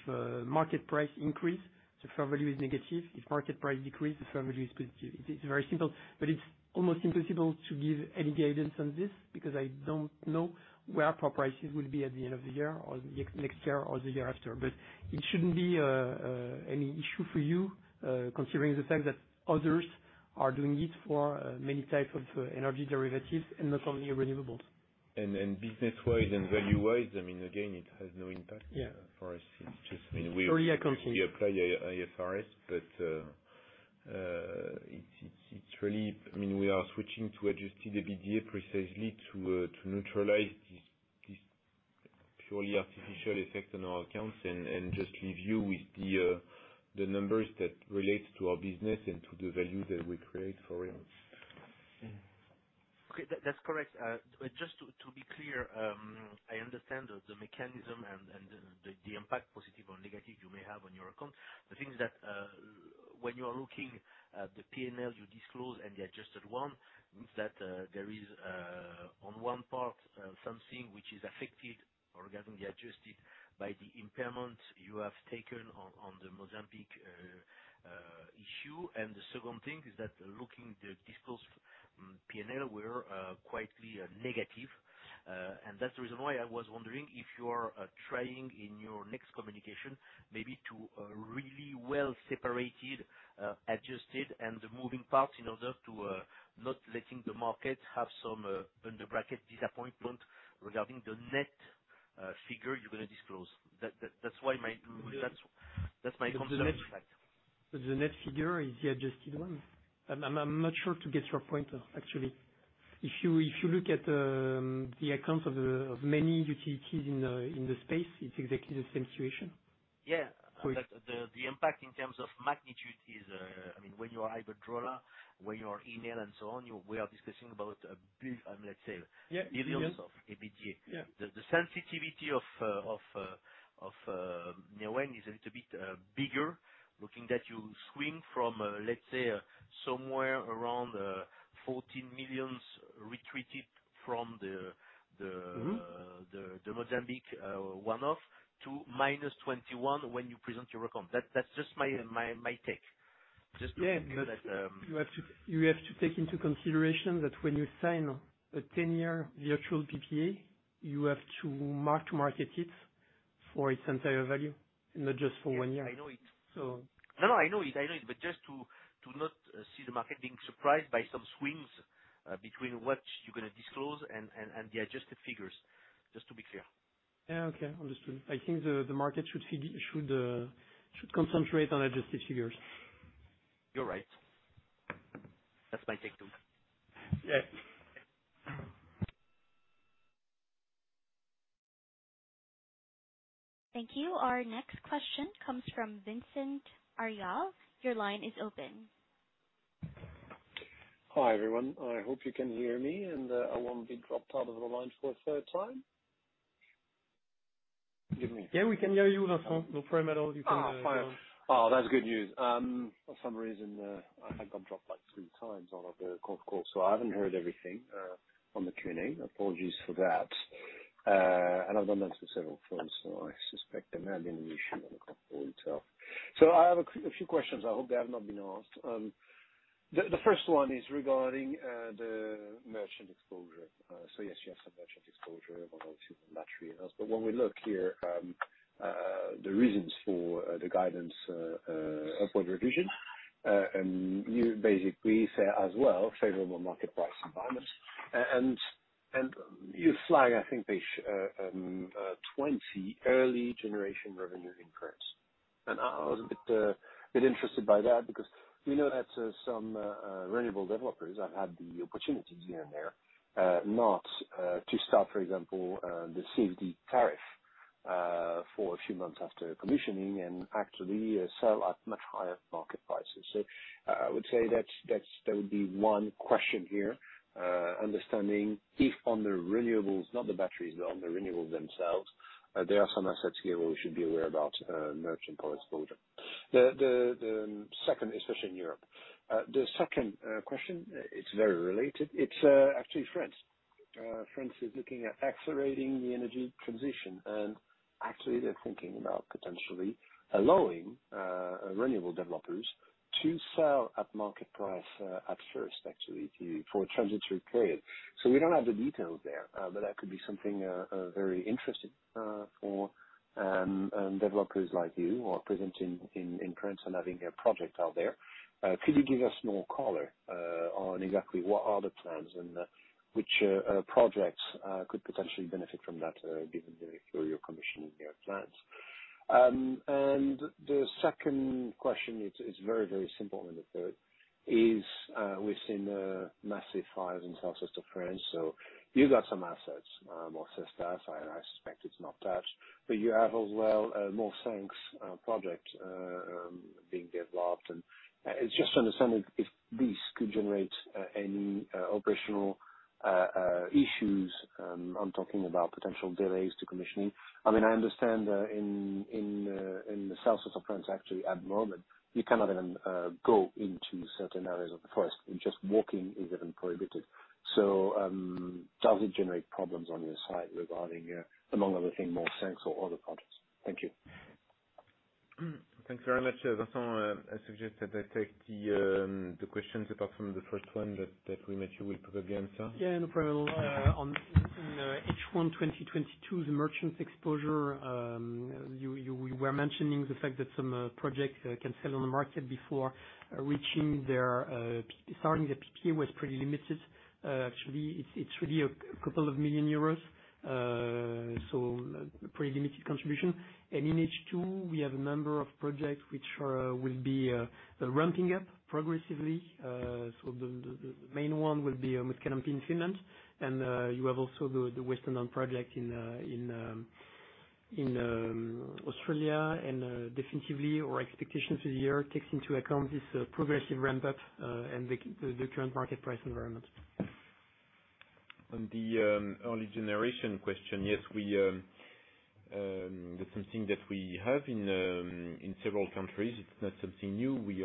market price increase, the fair value is negative. If market price decrease, the fair value is positive. It's very simple, but it's almost impossible to give any guidance on this because I don't know where prices will be at the end of the year or next year or the year after. It shouldn't be any issue for you, considering the fact that others are doing it for many type of energy derivatives and not only renewables. Business-wise and value-wise, I mean, again, it has no impact. Yeah. For us. It's just, I mean, we- Purely accounting. We apply IFRS, but it's really I mean, we are switching to adjusted EBITDA precisely to neutralize this purely artificial effect on our accounts and just leave you with the numbers that relates to our business and to the value that we create for everyone. Mm. Okay. That's correct. Just to be clear, I understand the mechanism and the impact, positive or negative, you may have on your account. The thing is that when you are looking at the P&L you disclose and the adjusted one, means that there is on one part something which is affected or regarding the adjusted by the impairment you have taken on the Mozambique issue. The second thing is that looking at the disclosed P&L were quite negative. That's the reason why I was wondering if you are trying in your next communication maybe to really well separated adjusted and the moving parts in order to not letting the market have some bracketed disappointment regarding the net figure you're gonna disclose. That's why my- The- That's my concern. The net figure is the adjusted one. I'm not sure to get your point, actually. If you look at the accounts of many utilities in the space, it's exactly the same situation. Yeah. So it's- The impact in terms of magnitude is, I mean, when you are Iberdrola, when you are Enel and so on, we are discussing about a bill, let's say- Yeah, millions. Millions of EBITDA. Yeah. The sensitivity of Neoen is a little bit bigger, looking that you swing from, let's say, somewhere around €14 million retreated from the the- Mm-hmm The Mozambique one-off to -€21 when you present your account. That's just my take. Just looking at Yeah, you have to take into consideration that when you sign a 10-year virtual PPA, you have to mark to market it for its entire value, and not just for 1 year. Yes, I know it. So. No, I know it. Just to not see the market being surprised by some swings between what you're gonna disclose and the adjusted figures. Just to be clear. Yeah, okay. Understood. I think the market should concentrate on adjusted figures. You're right. That's my take, too. Yeah. Thank you. Our next question comes from Vincent Ayral. Your line is open. Hi, everyone. I hope you can hear me, and I won't be dropped out of the line for a third time. Forgive me. Yeah, we can hear you, Vincent. No problem at all. You can. Fine. That's good news. For some reason, I got dropped like 3x out of the call, so I haven't heard everything on the Q&A. Apologies for that. I've done that to several folks, so I suspect there may have been an issue on the call itself. I have a few questions. I hope they have not been asked. The first one is regarding the merchant exposure. Yes, you have some merchant exposure battery and U.S. But when we look here, the reasons for the guidance upward revision, and you basically say as well, favorable market price environment. You flag, I think, page 20, early generation revenue increase. I was a bit interested by that because we know that some renewable developers have had the opportunity here and there not to start, for example, the CFD tariff for a few months after commissioning and actually sell at much higher market prices. I would say that would be one question here understanding if on the renewables, not the batteries, but on the renewables themselves there are some assets here we should be aware about merchant power exposure. The second, especially in Europe. The second question, it's very related. It's actually France. France is looking at accelerating the energy transition. Actually they're thinking about potentially allowing renewable developers to sell at market price at first for a transitory period. We don't have the details there, but that could be something very interesting for developers like you who are present in France and having a project out there. Could you give us more color on exactly what are the plans and which projects could potentially benefit from that, given your commissioning plans? The second question is very simple. The third is, we've seen massive fires in southwest of France, so you got some assets or sites there. I suspect it's not that, but you have as well a Horizeo project being developed. It's just to understand if this could generate any operational issues. I'm talking about potential delays to commissioning. I mean, I understand in the south of France, actually, at the moment, you cannot even go into certain areas of the forest. Just walking is even prohibited. Does it generate problems on your side regarding, among other things, more than solar or other projects? Thank you. Thanks very much, Vincent. I suggest that I take the questions apart from the first one that we make sure we put the answer. Yeah, no problem. On H1 2022, the merchant exposure, you were mentioning the fact that some projects can sell on the market before starting their PPA was pretty limited. Actually it's really a couple of million EUR, so pretty limited contribution. In H2, we have a number of projects which will be ramping up progressively. So the main one will be with Mutkalampi in Finland. You have also the Western Downs project in Australia. Definitely our expectations for the year takes into account this progressive ramp-up and the current market price environment. On the early generation question, yes, that's something that we have in several countries. It's not something new. We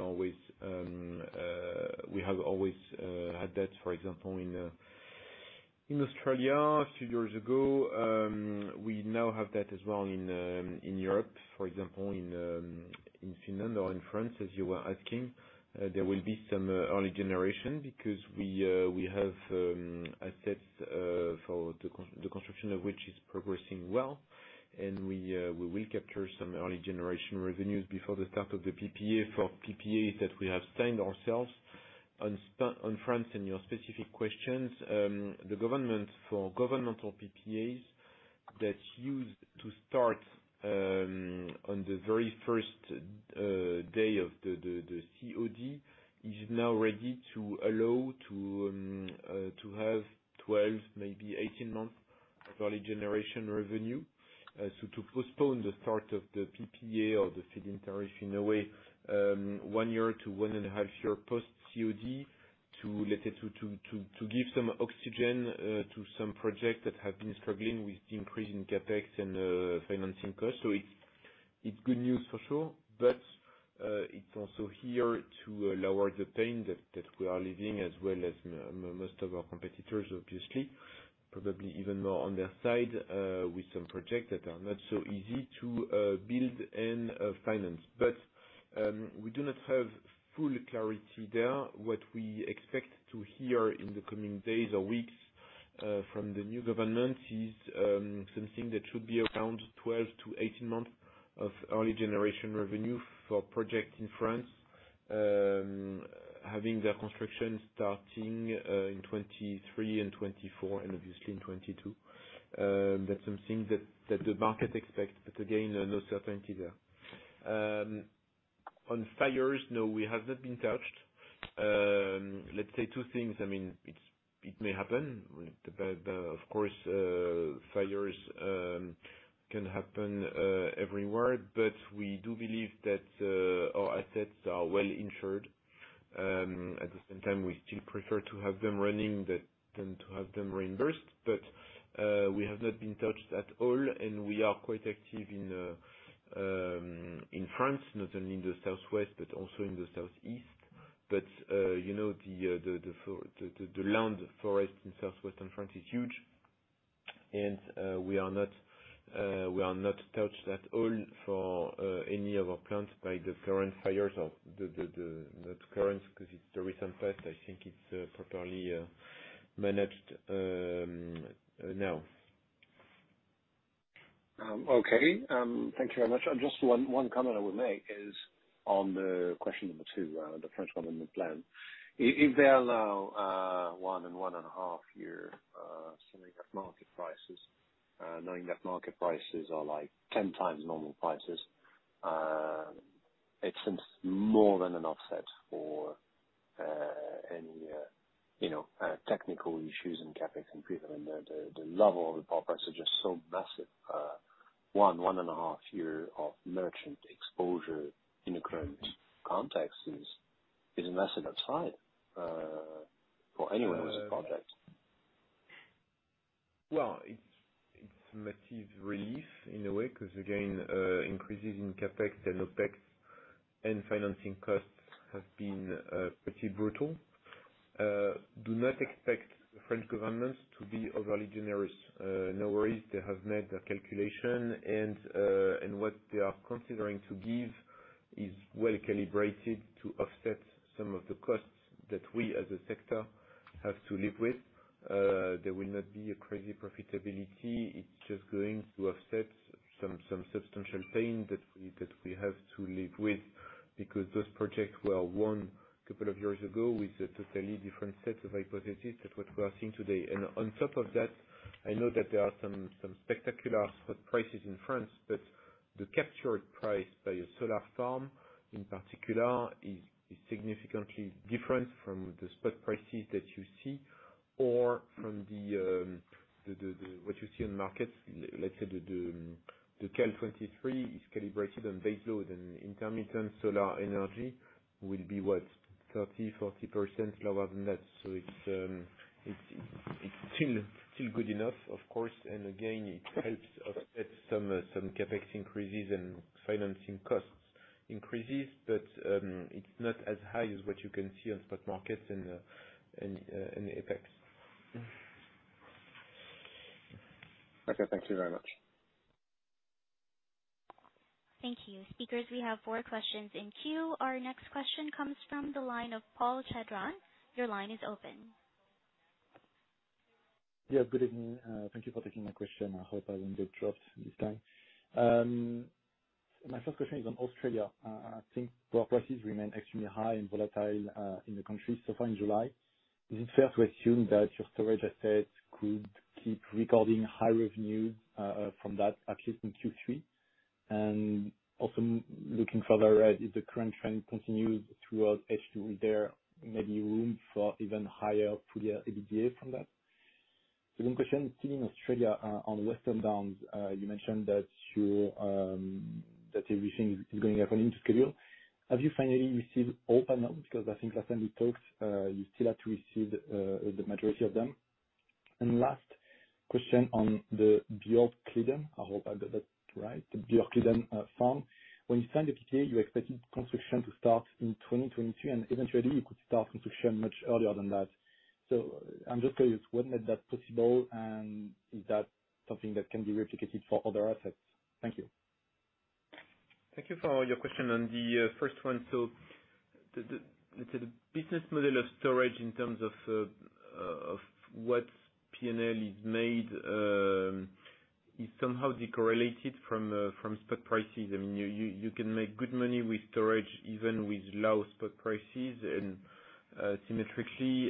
have always had that, for example, in Australia a few years ago. We now have that as well in Europe, for example, in Finland or in France, as you were asking. There will be some early generation because we have assets for the construction of which is progressing well. We will capture some early generation revenues before the start of the PPA for PPAs that we have signed ourselves. On France, in your specific questions, the government, for governmental PPAs that's used to start on the very first day of the COD, is now ready to allow to have 12, maybe 18-month value generation revenue. To postpone the start of the PPA or the feed-in tariff in a way, one year to one and a half year post-COD to let's say, to give some oxygen to some projects that have been struggling with increase in CapEx and financing costs. It's good news for sure, but it's also here to lower the pain that we are leaving as well as most of our competitors, obviously. Probably even more on their side, with some projects that are not so easy to build and finance. We do not have full clarity there. What we expect to hear in the coming days or weeks from the new government is something that should be around 12-18 months of early generation revenue for projects in France. Having their construction starting in 2023 and 2024, and obviously in 2022. That's something that the market expects, but again, no certainty there. On fires, no, we have not been touched. Let's say 2 things. I mean, it may happen. Of course, fires can happen everywhere. We do believe that our assets are well insured. At the same time, we still prefer to have them running than to have them reimbursed. We have not been touched at all, and we are quite active in France, not only in the southwest, but also in the southeast. You know, the Landes forest in southwestern France is huge. We are not touched at all for any of our plants by the current fires, because it's the recent past. I think it's properly managed now. Okay. Thank you very much. Just one comment I would make is on the question number 2, the French one on the plan. If they allow one and a half year selling at market prices, knowing that market prices are like 10x normal prices, it seems more than an offset for any you know technical issues and CapEx improvement. The level of the power prices are just so massive. One and a half year of merchant exposure in the current context is a massive upside for anyone with a project. Well, it's massive relief in a way, 'cause again, increases in CapEx and OpEx and financing costs have been pretty brutal. Do not expect the French government to be overly generous. No worries, they have made their calculation, and what they are considering to give is well calibrated to offset some of the costs that we as a sector have to live with. There will not be a crazy profitability. It's just going to offset some substantial pain that we have to live with, because those projects were won a couple of years ago with a totally different set of hypotheses than what we are seeing today. On top of that, I know that there are some spectacular spot prices in France, but the captured price by a solar farm in particular is significantly different from the spot prices that you see or from what you see on markets. Let's say the Cal '23 is calibrated on baseload, and intermittent solar energy will be what? 30%-40% lower than that. It's still good enough, of course, and again, it helps offset some CapEx increases and financing costs increases, but it's not as high as what you can see on spot markets and EPEX. Okay, thank you very much. Thank you. Speakers, we have 4 questions in queue. Our next question comes from the line of Paul Chedron. Your line is open. Yes, good evening. Thank you for taking my question. I hope I won't get dropped this time. My first question is on Australia. I think power prices remain extremely high and volatile in the country so far in July. Is it fair to assume that your storage assets could keep recording high revenue from that, at least in Q3? And also looking further out, if the current trend continues throughout H2, will there may be room for even higher full-year EBITDA from that? The second question, still in Australia, on Western Downs, you mentioned that everything is going according to schedule. Have you finally received all permits? Because I think last time we talked, you still had to receive the majority of them. Last question on the Björkliden. I hope I got that right, the Björkliden farm. When you signed the PPA, you expected construction to start in 2023, and eventually, you could start construction much earlier than that. I'm just curious, what made that possible, and is that something that can be replicated for other assets? Thank you. Thank you for your question. On the first one, so let's say the business model of storage in terms of what P&L is made is somehow de-correlated from spot prices. I mean, you can make good money with storage even with low spot prices, and symmetrically,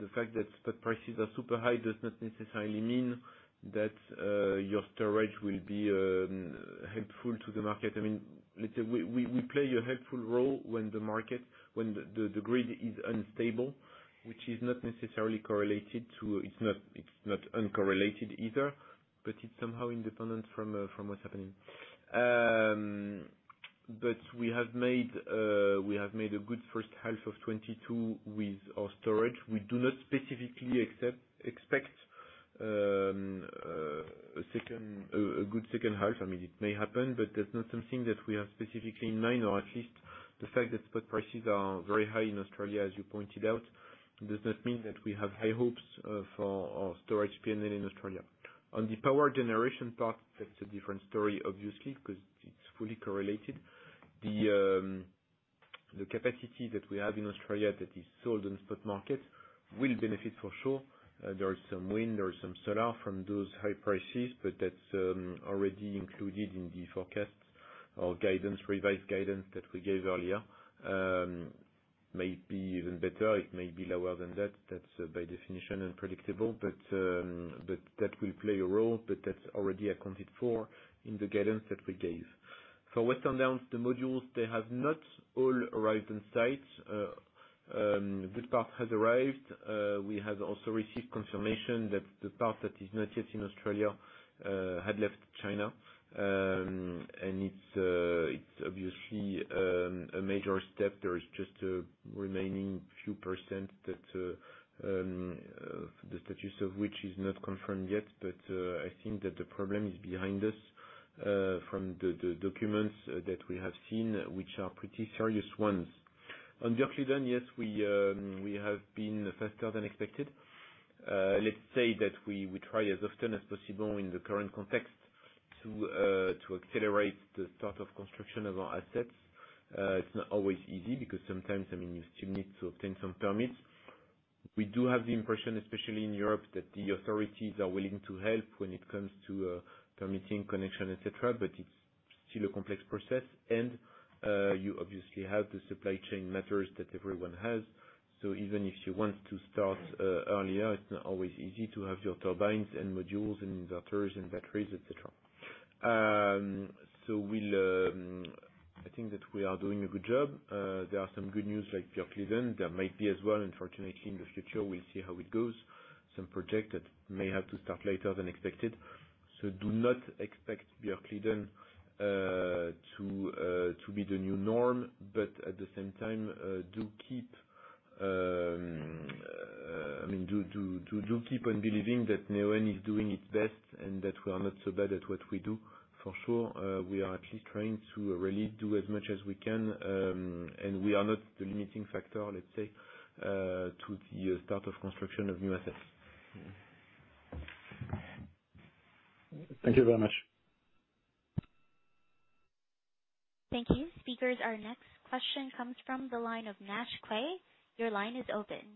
the fact that spot prices are super high does not necessarily mean that your storage will be helpful to the market. I mean, let's say we play a helpful role when the grid is unstable, which is not necessarily correlated to. It's not uncorrelated either, but it's somehow independent from what's happening. We have made a good H1 of 2022 with our storage. We do not specifically expect a good H2. I mean, it may happen, but that's not something that we have specifically in mind, or at least the fact that spot prices are very high in Australia, as you pointed out, does not mean that we have high hopes for our storage P&L in Australia. On the power generation part, that's a different story obviously, 'cause it's fully correlated. The capacity that we have in Australia that is sold on spot market will benefit for sure. There is some wind, there is some solar from those high prices, but that's already included in the forecast or guidance, revised guidance that we gave earlier. May be even better, it may be lower than that. That's, by definition, unpredictable. That will play a role, but that's already accounted for in the guidance that we gave. For Western Downs, the modules, they have not all arrived on site. This part has arrived. We have also received confirmation that the part that is not yet in Australia had left China. It's obviously a major step. There is just a remaining few percent that the status of which is not confirmed yet. I think that the problem is behind us from the documents that we have seen, which are pretty serious ones. On Bjerkreim, yes, we have been faster than expected. Let's say that we try as often as possible in the current context to accelerate the start of construction of our assets. It's not always easy because sometimes, I mean, you still need to obtain some permits. We do have the impression, especially in Europe, that the authorities are willing to help when it comes to permitting connection, et cetera, but it's still a complex process. You obviously have the supply chain matters that everyone has. Even if you want to start earlier, it's not always easy to have your turbines and modules and inverters and batteries, et cetera. I think that we are doing a good job. There are some good news like Bjerkreim. There might be as well, unfortunately, in the future, we'll see how it goes. Some projects that may have to start later than expected. Do not expect Bjerkreim to be the new norm. At the same time, I mean, do keep on believing that Neoen is doing its best, and that we are not so bad at what we do. For sure, we are at least trying to really do as much as we can, and we are not the limiting factor, let's say, to the start of construction of new assets. Thank you very much. Thank you, speakers. Our next question comes from the line of Nash Quay. Your line is open.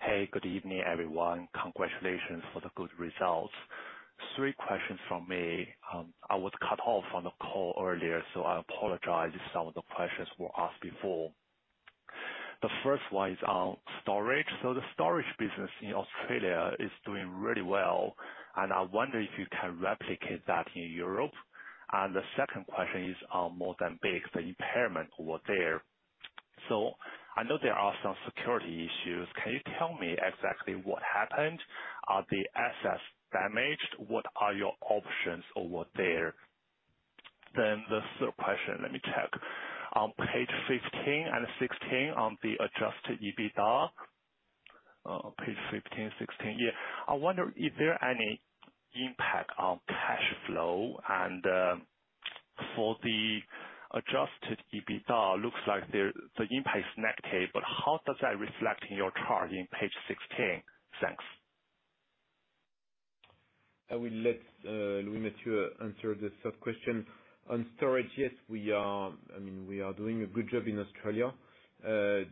Hey. Good evening, everyone. Congratulations for the good results. 3 questions from me. I was cut off on the call earlier, so I apologize if some of the questions were asked before. The first one is on storage. The storage business in Australia is doing really well, and I wonder if you can replicate that in Europe. The second question is on the Victorian Big, the impairment over there. I know there are some security issues. Can you tell me exactly what happened? Are the assets damaged? What are your options over there? The third question, let me check. On page 15 and 16 on the adjusted EBITDA. I wonder, is there any impact on cash flow? For the adjusted EBITDA, looks like there The impact is negative, but how does that reflect in your chart on page 16? Thanks. I will let Louis-Mathieu answer the sub question. On storage, yes, we are doing a good job in Australia. The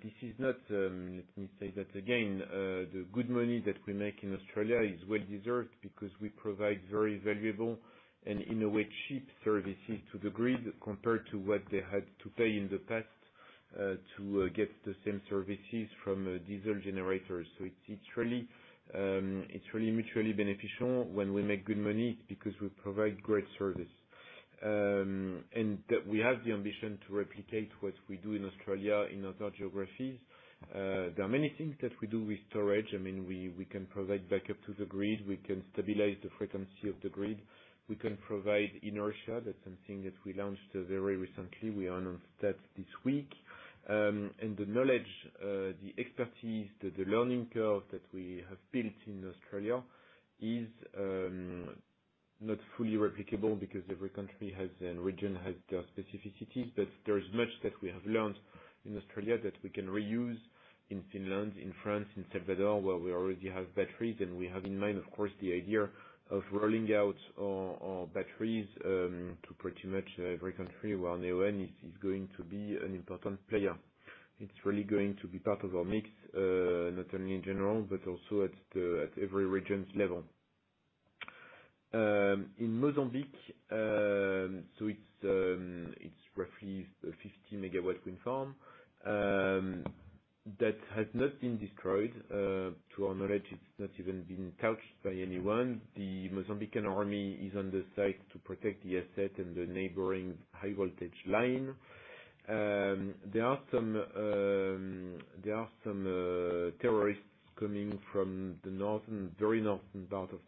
good money that we make in Australia is well deserved because we provide very valuable and, in a way, cheap services to the grid compared to what they had to pay in the past to get the same services from diesel generators. It's really mutually beneficial when we make good money because we provide great service. That we have the ambition to replicate what we do in Australia in other geographies. There are many things that we do with storage. I mean, we can provide backup to the grid. We can stabilize the frequency of the grid. We can provide inertia. That's something that we launched very recently. We announced that this week. The knowledge, the expertise, the learning curve that we have built in Australia is not fully replicable because every country has, and region has their specificities. There is much that we have learned in Australia that we can reuse in Finland, in France, in El Salvador, where we already have batteries. We have in mind, of course, the idea of rolling out our batteries to pretty much every country where Neoen is going to be an important player. It's really going to be part of our mix, not only in general, but also at every region's level. In Mozambique, it's roughly a 50 MW wind farm that has not been destroyed. To our knowledge, it's not even been touched by anyone. The Mozambican army is on the site to protect the asset and the neighboring high voltage line. There are some terrorists coming from the northern, very northern part of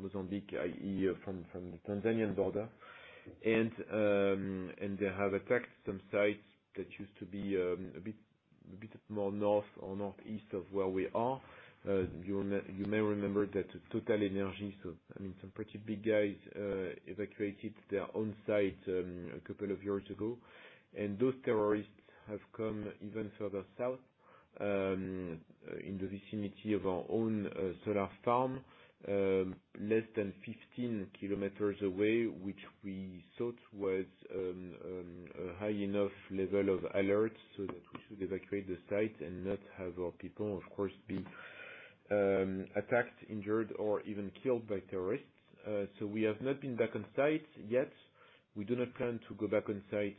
Mozambique, i.e., from the Tanzanian border. They have attacked some sites that used to be a bit more north or northeast of where we are. You may remember that TotalEnergies, so I mean, some pretty big guys, evacuated their own site a couple of years ago. Those terrorists have come even further south, in the vicinity of our own solar farm, less than 15 km away, which we thought was a high enough level of alert so that we should evacuate the site and not have our people, of course, be attacked, injured or even killed by terrorists. We have not been back on site yet. We do not plan to go back on site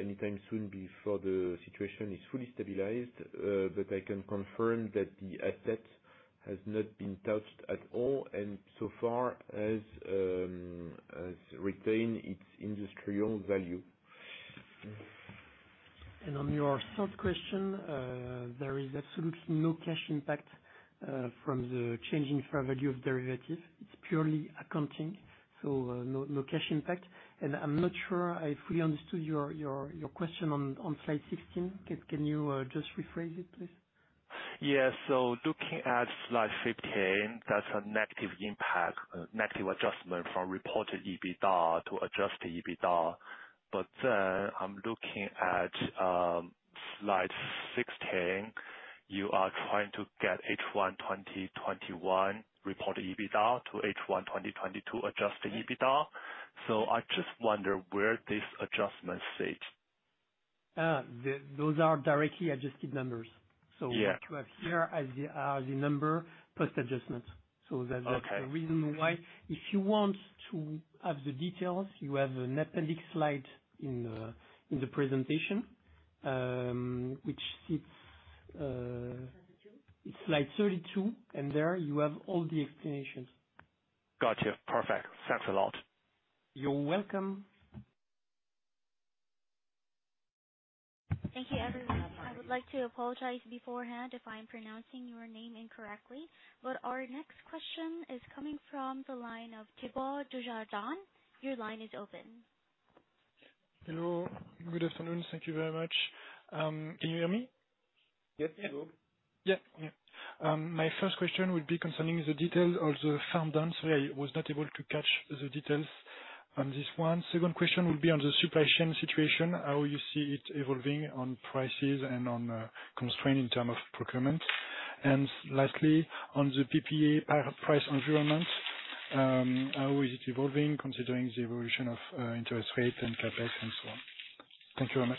anytime soon before the situation is fully stabilized. I can confirm that the asset has not been touched at all, and so far has retained its industrial value. On your third question, there is absolutely no cash impact from the change in fair value of derivatives. It's purely accounting, so no cash impact. I'm not sure I fully understood your question on slide 16. Can you just rephrase it, please? Yeah. Looking at slide 15, that's a negative impact, negative adjustment from reported EBITDA to adjusted EBITDA. I'm looking at slide 16. You are trying to get H1 2021 reported EBITDA-H1 2022 adjusted EBITDA. I just wonder where this adjustment sits. Those are directly adjusted numbers. Yeah. What you have here are the number plus adjustments. Okay. That's the reason why. If you want to have the details, you have an appendix slide in the presentation, which sits 32. Slide 32. There you have all the explanations. Gotcha. Perfect. Thanks a lot. You're welcome. Thank you, everyone. I would like to apologize beforehand if I'm pronouncing your name incorrectly. Our next question is coming from the line of Thibault Dujardin. Your line is open. Hello. Good afternoon. Thank you very much. Can you hear me? Yes, we do. Yeah, yeah. My first question would be concerning the details of the farm-down. Sorry, I was not able to catch the details on this one. Second question would be on the supply chain situation, how you see it evolving on prices and on constraint in terms of procurement. Lastly, on the PPA price environment, how is it evolving considering the evolution of interest rates and CapEx and so on? Thank you very much.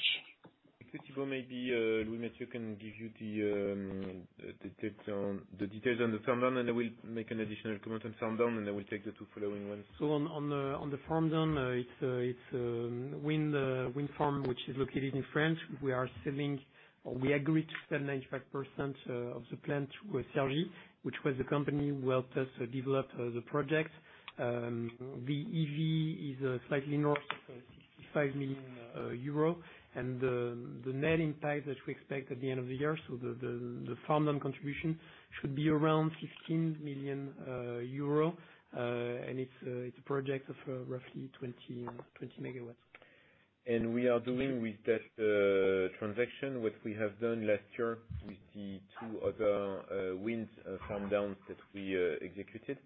If Thibault maybe Louis-Mathieu can give you the details on the farm down, and I will make an additional comment on farm down, and I will take the 2 following ones. On the farm down, it's a wind farm which is located in France. We are selling or we agreed to sell 95% of the plant with Sorgenia, which was the company who helped us develop the project. The EV is slightly north of €65 million. The farm down contribution should be around €15 million. It's a project of roughly 20 MW. We are doing with that transaction what we have done last year with the 2 other wind farm-downs that we executed,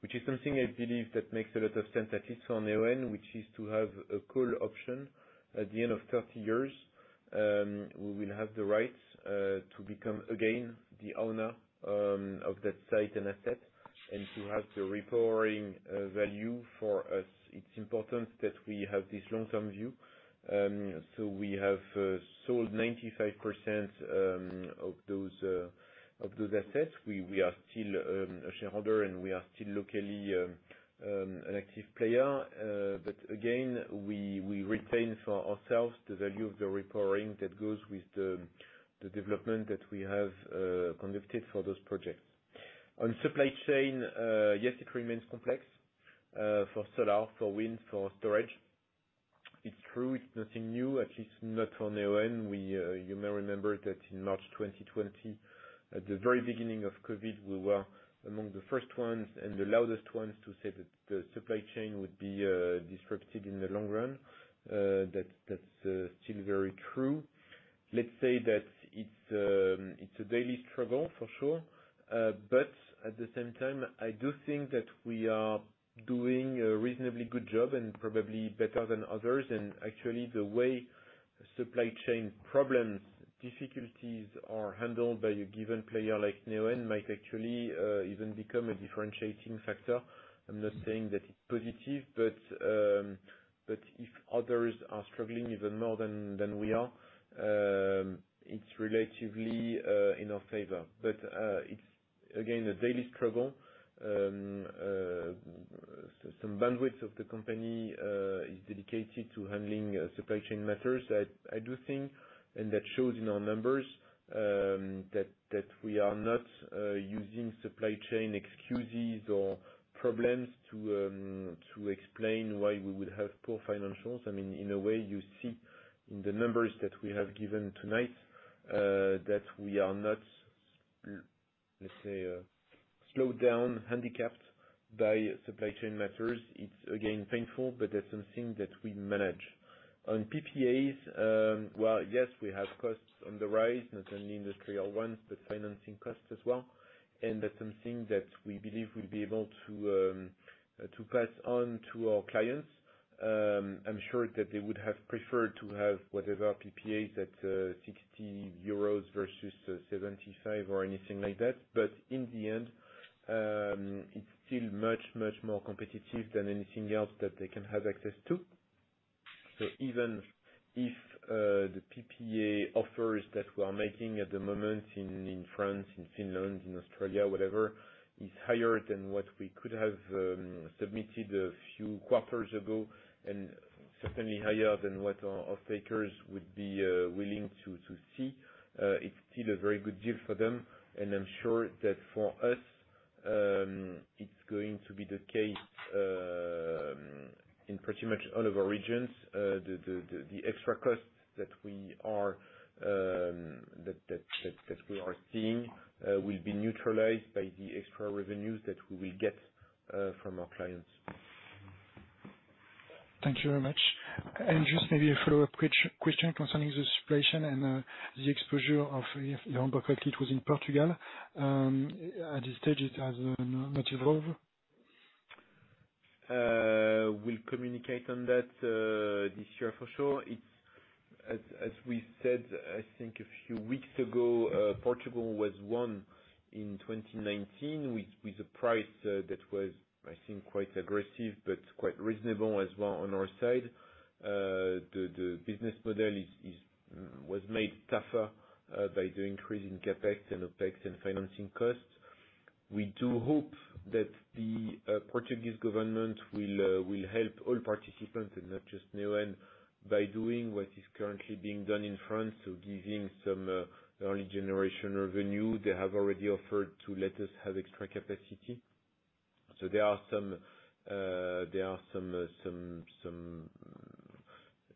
which is something I believe that makes a lot of sense, at least on our end, which is to have a call option. At the end of 30 years, we will have the rights to become again the owner of that site and asset and to have the repowering value for us. It's important that we have this long-term view. We have sold 95% of those assets. We are still a shareholder, and we are still locally an active player. But again, we retain for ourselves the value of the repowering that goes with the development that we have conducted for those projects. On supply chain, yes, it remains complex, for solar, for wind, for storage. It's true. It's nothing new, at least not on our end. We, you may remember that in March 2020, at the very beginning of COVID, we were among the first ones and the loudest ones to say that the supply chain would be disrupted in the long run. That's still very true. Let's say that it's a daily struggle, for sure. At the same time, I do think that we are doing a reasonably good job and probably better than others. Actually, the way supply chain problems, difficulties are handled by a given player like Neoen might actually even become a differentiating factor. I'm not saying that it's positive, but if others are struggling even more than we are, it's relatively in our favor. It's again a daily struggle. Some bandwidth of the company is dedicated to handling supply chain matters. I do think, and that shows in our numbers, that we are not using supply chain excuses or problems to explain why we would have poor financials. I mean, in a way, you see in the numbers that we have given tonight, that we are not, let's say, slowed down, handicapped by supply chain matters. It's again painful, but that's something that we manage. On PPAs, well, yes, we have costs on the rise, not only industry, our ones, but financing costs as well. That's something that we believe we'll be able to pass on to our clients. I'm sure that they would have preferred to have whatever PPAs at €60 versus €75 or anything like that. In the end, it's still much more competitive than anything else that they can have access to. Even if the PPA offers that we are making at the moment in France, in Finland, in Australia, whatever, is higher than what we could have submitted a few quarters ago, and certainly higher than what our off-takers would be willing to see. It's still a very good deal for them, and I'm sure that for us, it's going to be the case in pretty much all of our regions. The extra costs that we are seeing will be neutralized by the extra revenues that we will get from our clients. Thank you very much. Just maybe a follow-up question concerning the situation and the exposure of Yeah. I hope I got it. It was in Portugal. At this stage, it has not evolved. We'll communicate on that this year for sure. As we said, I think a few weeks ago, Portugal was one in 2019 with a price that was, I think, quite aggressive but quite reasonable as well on our side. The business model was made tougher by the increase in CapEx and OpEx and financing costs. We do hope that the Portuguese government will help all participants, and not just Neoen, by doing what is currently being done in France, so giving some early generation revenue. They have already offered to let us have extra capacity. There are some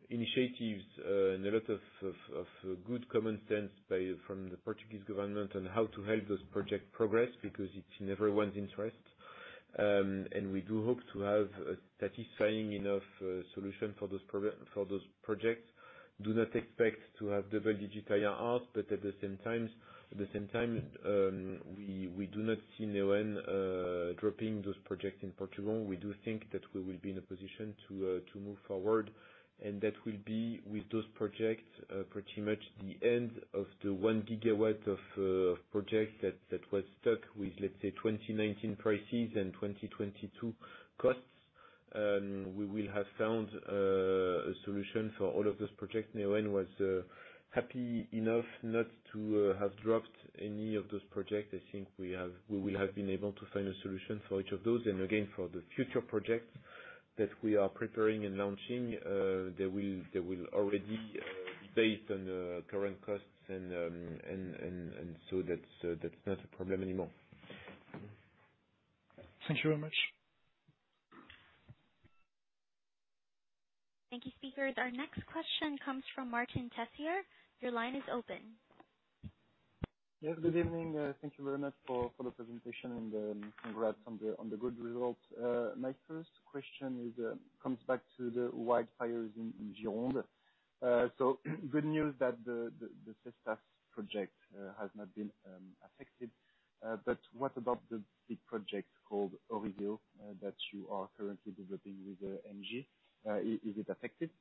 initiatives and a lot of good common sense from the Portuguese government on how to help this project progress because it's in everyone's interest. We do hope to have a satisfying enough solution for those projects. Do not expect to have double-digit Thank you very much. Thank you, speaker. Our next question comes from Martin Tessier. Your line is open. Yes, good evening. Thank you very much for the presentation and congrats on the good results. My first question comes back to the wildfires in Gironde. Good news that the Cestas project has not been affected. What about the big project called Horizeo that you are currently developing with ENGIE? Is it affected?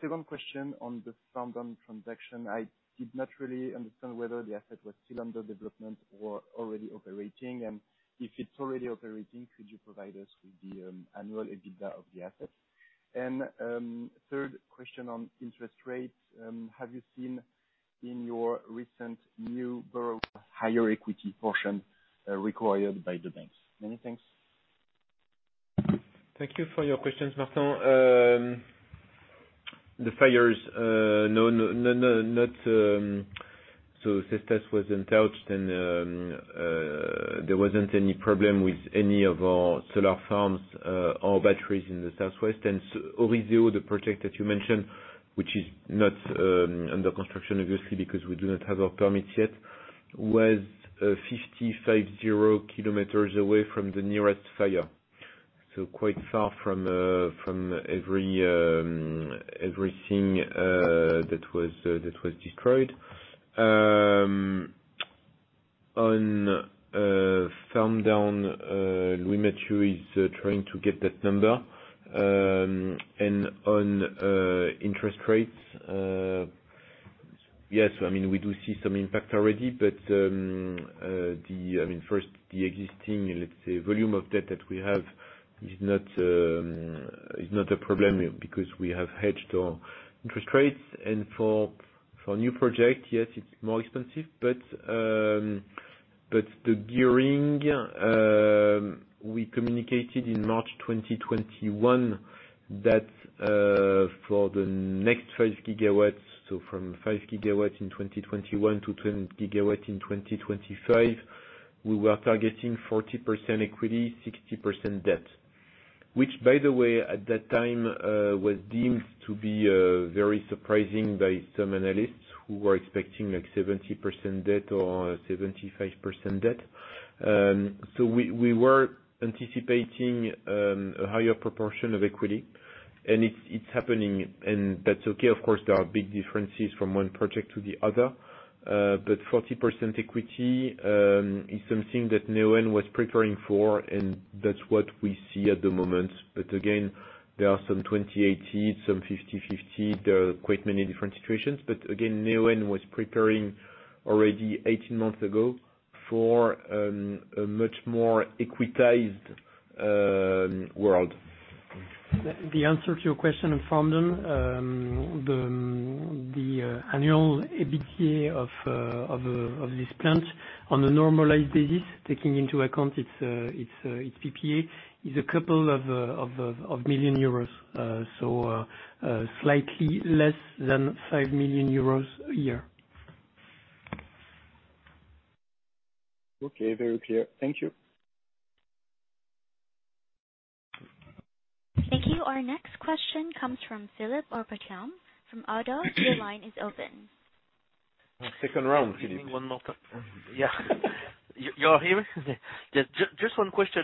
Second question on the farm-down transaction. I did not really understand whether the asset was still under development or already operating. If it's already operating, could you provide us with the annual EBITDA of the asset? Third question on interest rates. Have you seen in your recent new borrowings higher equity portion required by the banks? Many thanks. Thank you for your questions, Martin. The fires, no, not so Cestas was untouched and there wasn't any problem with any of our solar farms or batteries in the southwest. Horizeo, the project that you mentioned, which is not under construction obviously because we do not have our permits yet, was 550 km away from the nearest fire. So quite far from everything that was destroyed. On farm down, Louis-Mathieu is trying to get that number. On interest rates, yes, I mean, we do see some impact already, but, I mean, first, the existing, let's say, volume of debt that we have is not a problem because we have hedged our interest rates. For new projects, yes, it's more expensive, but the gearing, we communicated in March 2021 that for the next 5 GW, so from 5 GW in 2021 to 10 GW in 2025, we were targeting 40% equity, 60% debt. Which by the way, at that time, was deemed to be very surprising by some analysts who were expecting like 70% debt or 75% debt. So we were anticipating a higher proportion of equity, and it's happening, and that's okay. Of course, there are big differences from one project to the other, but 40% equity is something that Neoen was preparing for, and that's what we see at the moment. But again, there are some 20-80, some 50-50, there are quite many different situations. Again, Neoen was preparing already 18 months ago for a much more equitized world. The answer to your question from them, the annual EBITDA of this plant on a normalized basis, taking into account its PPA, is a couple of million EUR, so slightly less than €5 million a year. Okay. Very clear. Thank you. Thank you. Our next question comes from Philippe Ourpatian from Oddo. Your line is open. Second round Philippe. Give me one more time. Yeah. You're here? Just one question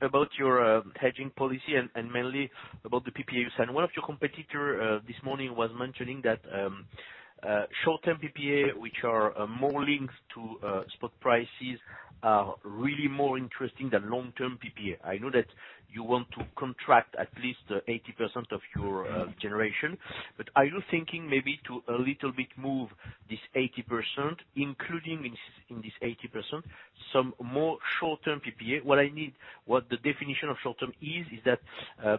about your hedging policy and mainly about the PPA side. One of your competitor this morning was mentioning that short-term PPA, which are more linked to spot prices, are really more interesting than long-term PPA. I know that you want to contract at least 80% of your generation, but are you thinking maybe to a little bit move this 80%, including in this 80% some more short-term PPA? What I mean, the definition of short-term is that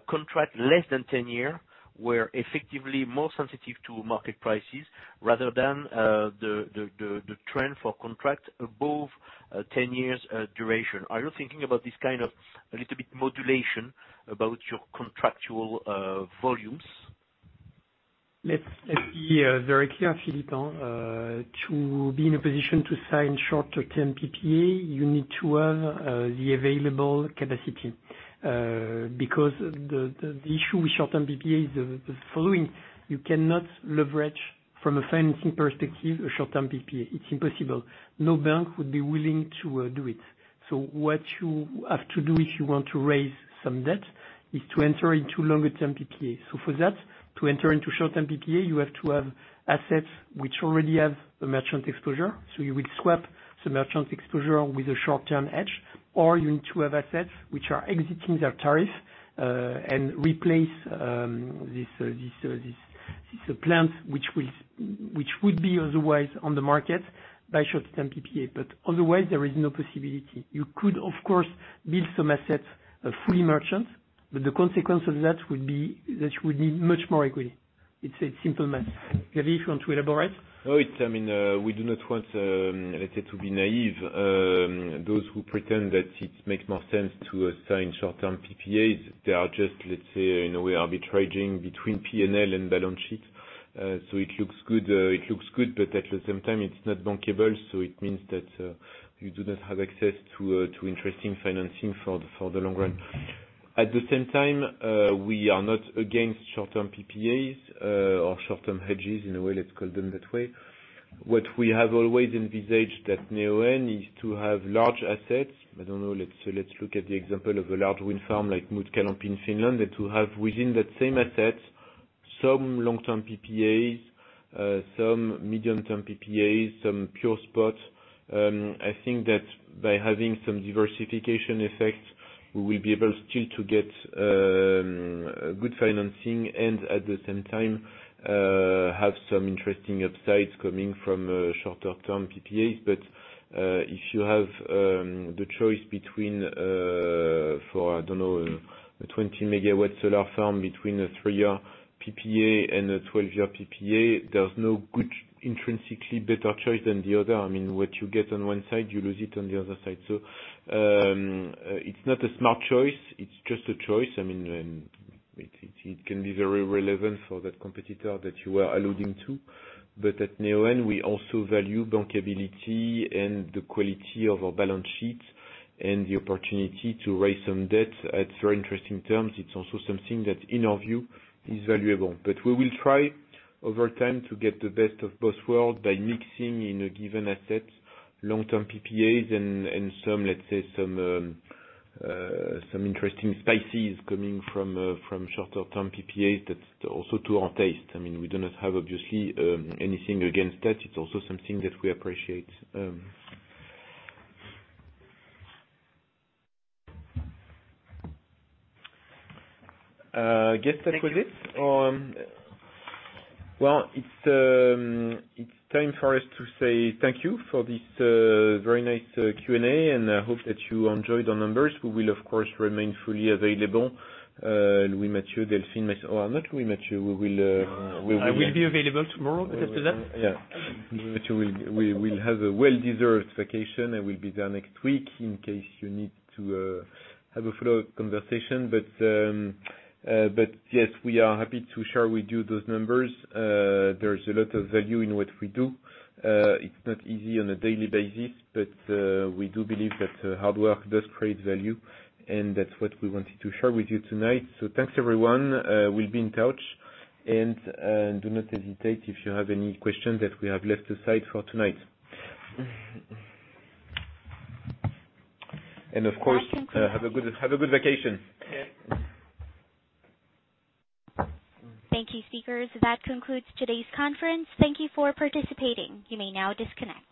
contract less than 10 year, where effectively more sensitive to market prices rather than the trend for contract above 10 years duration. Are you thinking about this kind of a little bit modulation about your contractual volumes? Let's be very clear, Philippe, to be in a position to sign shorter-term PPA, you need to have the available capacity, because the issue with short-term PPA is the following. You cannot leverage from a financing perspective a short-term PPA. It's impossible. No bank would be willing to do it. What you have to do if you want to raise some debt is to enter into longer-term PPA. For that, to enter into short-term PPA, you have to have assets which already have a merchant exposure. You would swap some merchant exposure with a short-term hedge, or you need to have assets which are exiting their tariff and replace this plant, which would be otherwise on the market by short-term PPA. Otherwise there is no possibility. You could, of course, build some assets, fully merchant, but the consequence of that would be that you would need much more equity. It's simple math. Xavier, if you want to elaborate. I mean, we do not want, let's say, to be naive. Those who pretend that it makes more sense to assign short-term PPAs, they are just, let's say, in a way, arbitraging between P&L and balance sheet. It looks good, but at the same time it's not bankable, so it means that you do not have access to interesting financing for the long run. At the same time, we are not against short-term PPAs or short-term hedges, in a way, let's call them that way. What we have always envisaged at Neoen is to have large assets. I don't know, let's look at the example of a large wind farm, like, Mutkalampi in Finland. That will have within that same asset some long-term PPAs, some medium-term PPAs, some pure spot. I think that by having some diversification effect, we will be able still to get good financing and at the same time have some interesting upsides coming from shorter term PPAs. If you have the choice between, for I don't know, a 20 MW solar farm between a 3-year PPA and a 12-year PPA, there's no good intrinsically better choice than the other. I mean, what you get on one side, you lose it on the other side. It's not a smart choice, it's just a choice. I mean, it can be very relevant for that competitor that you are alluding to. At Neoen, we also value bankability and the quality of our balance sheets and the opportunity to raise some debt at very interesting terms. It's also something that, in our view, is valuable. We will try over time to get the best of both worlds by mixing, in a given asset, long-term PPAs and some, let's say, some interesting prices coming from shorter term PPAs. That's also to our taste. I mean, we do not have, obviously, anything against that. It's also something that we appreciate. I guess that was it. Well, it's time for us to say thank you for this very nice Q&A, and I hope that you enjoyed our numbers. We will of course remain fully available. Louis-Mathieu, Delphine. We will. I will be available tomorrow after that. We will have a well-deserved vacation and we'll be there next week in case you need to have a follow-up conversation. Yes, we are happy to share with you those numbers. There's a lot of value in what we do. It's not easy on a daily basis, but we do believe that hard work does create value, and that's what we wanted to share with you tonight. Thanks, everyone. We'll be in touch and do not hesitate if you have any questions that we have left aside for tonight. That concludes. Have a good vacation. Yeah. Thank you, speakers. That concludes today's conference. Thank you for participating. You may now disconnect.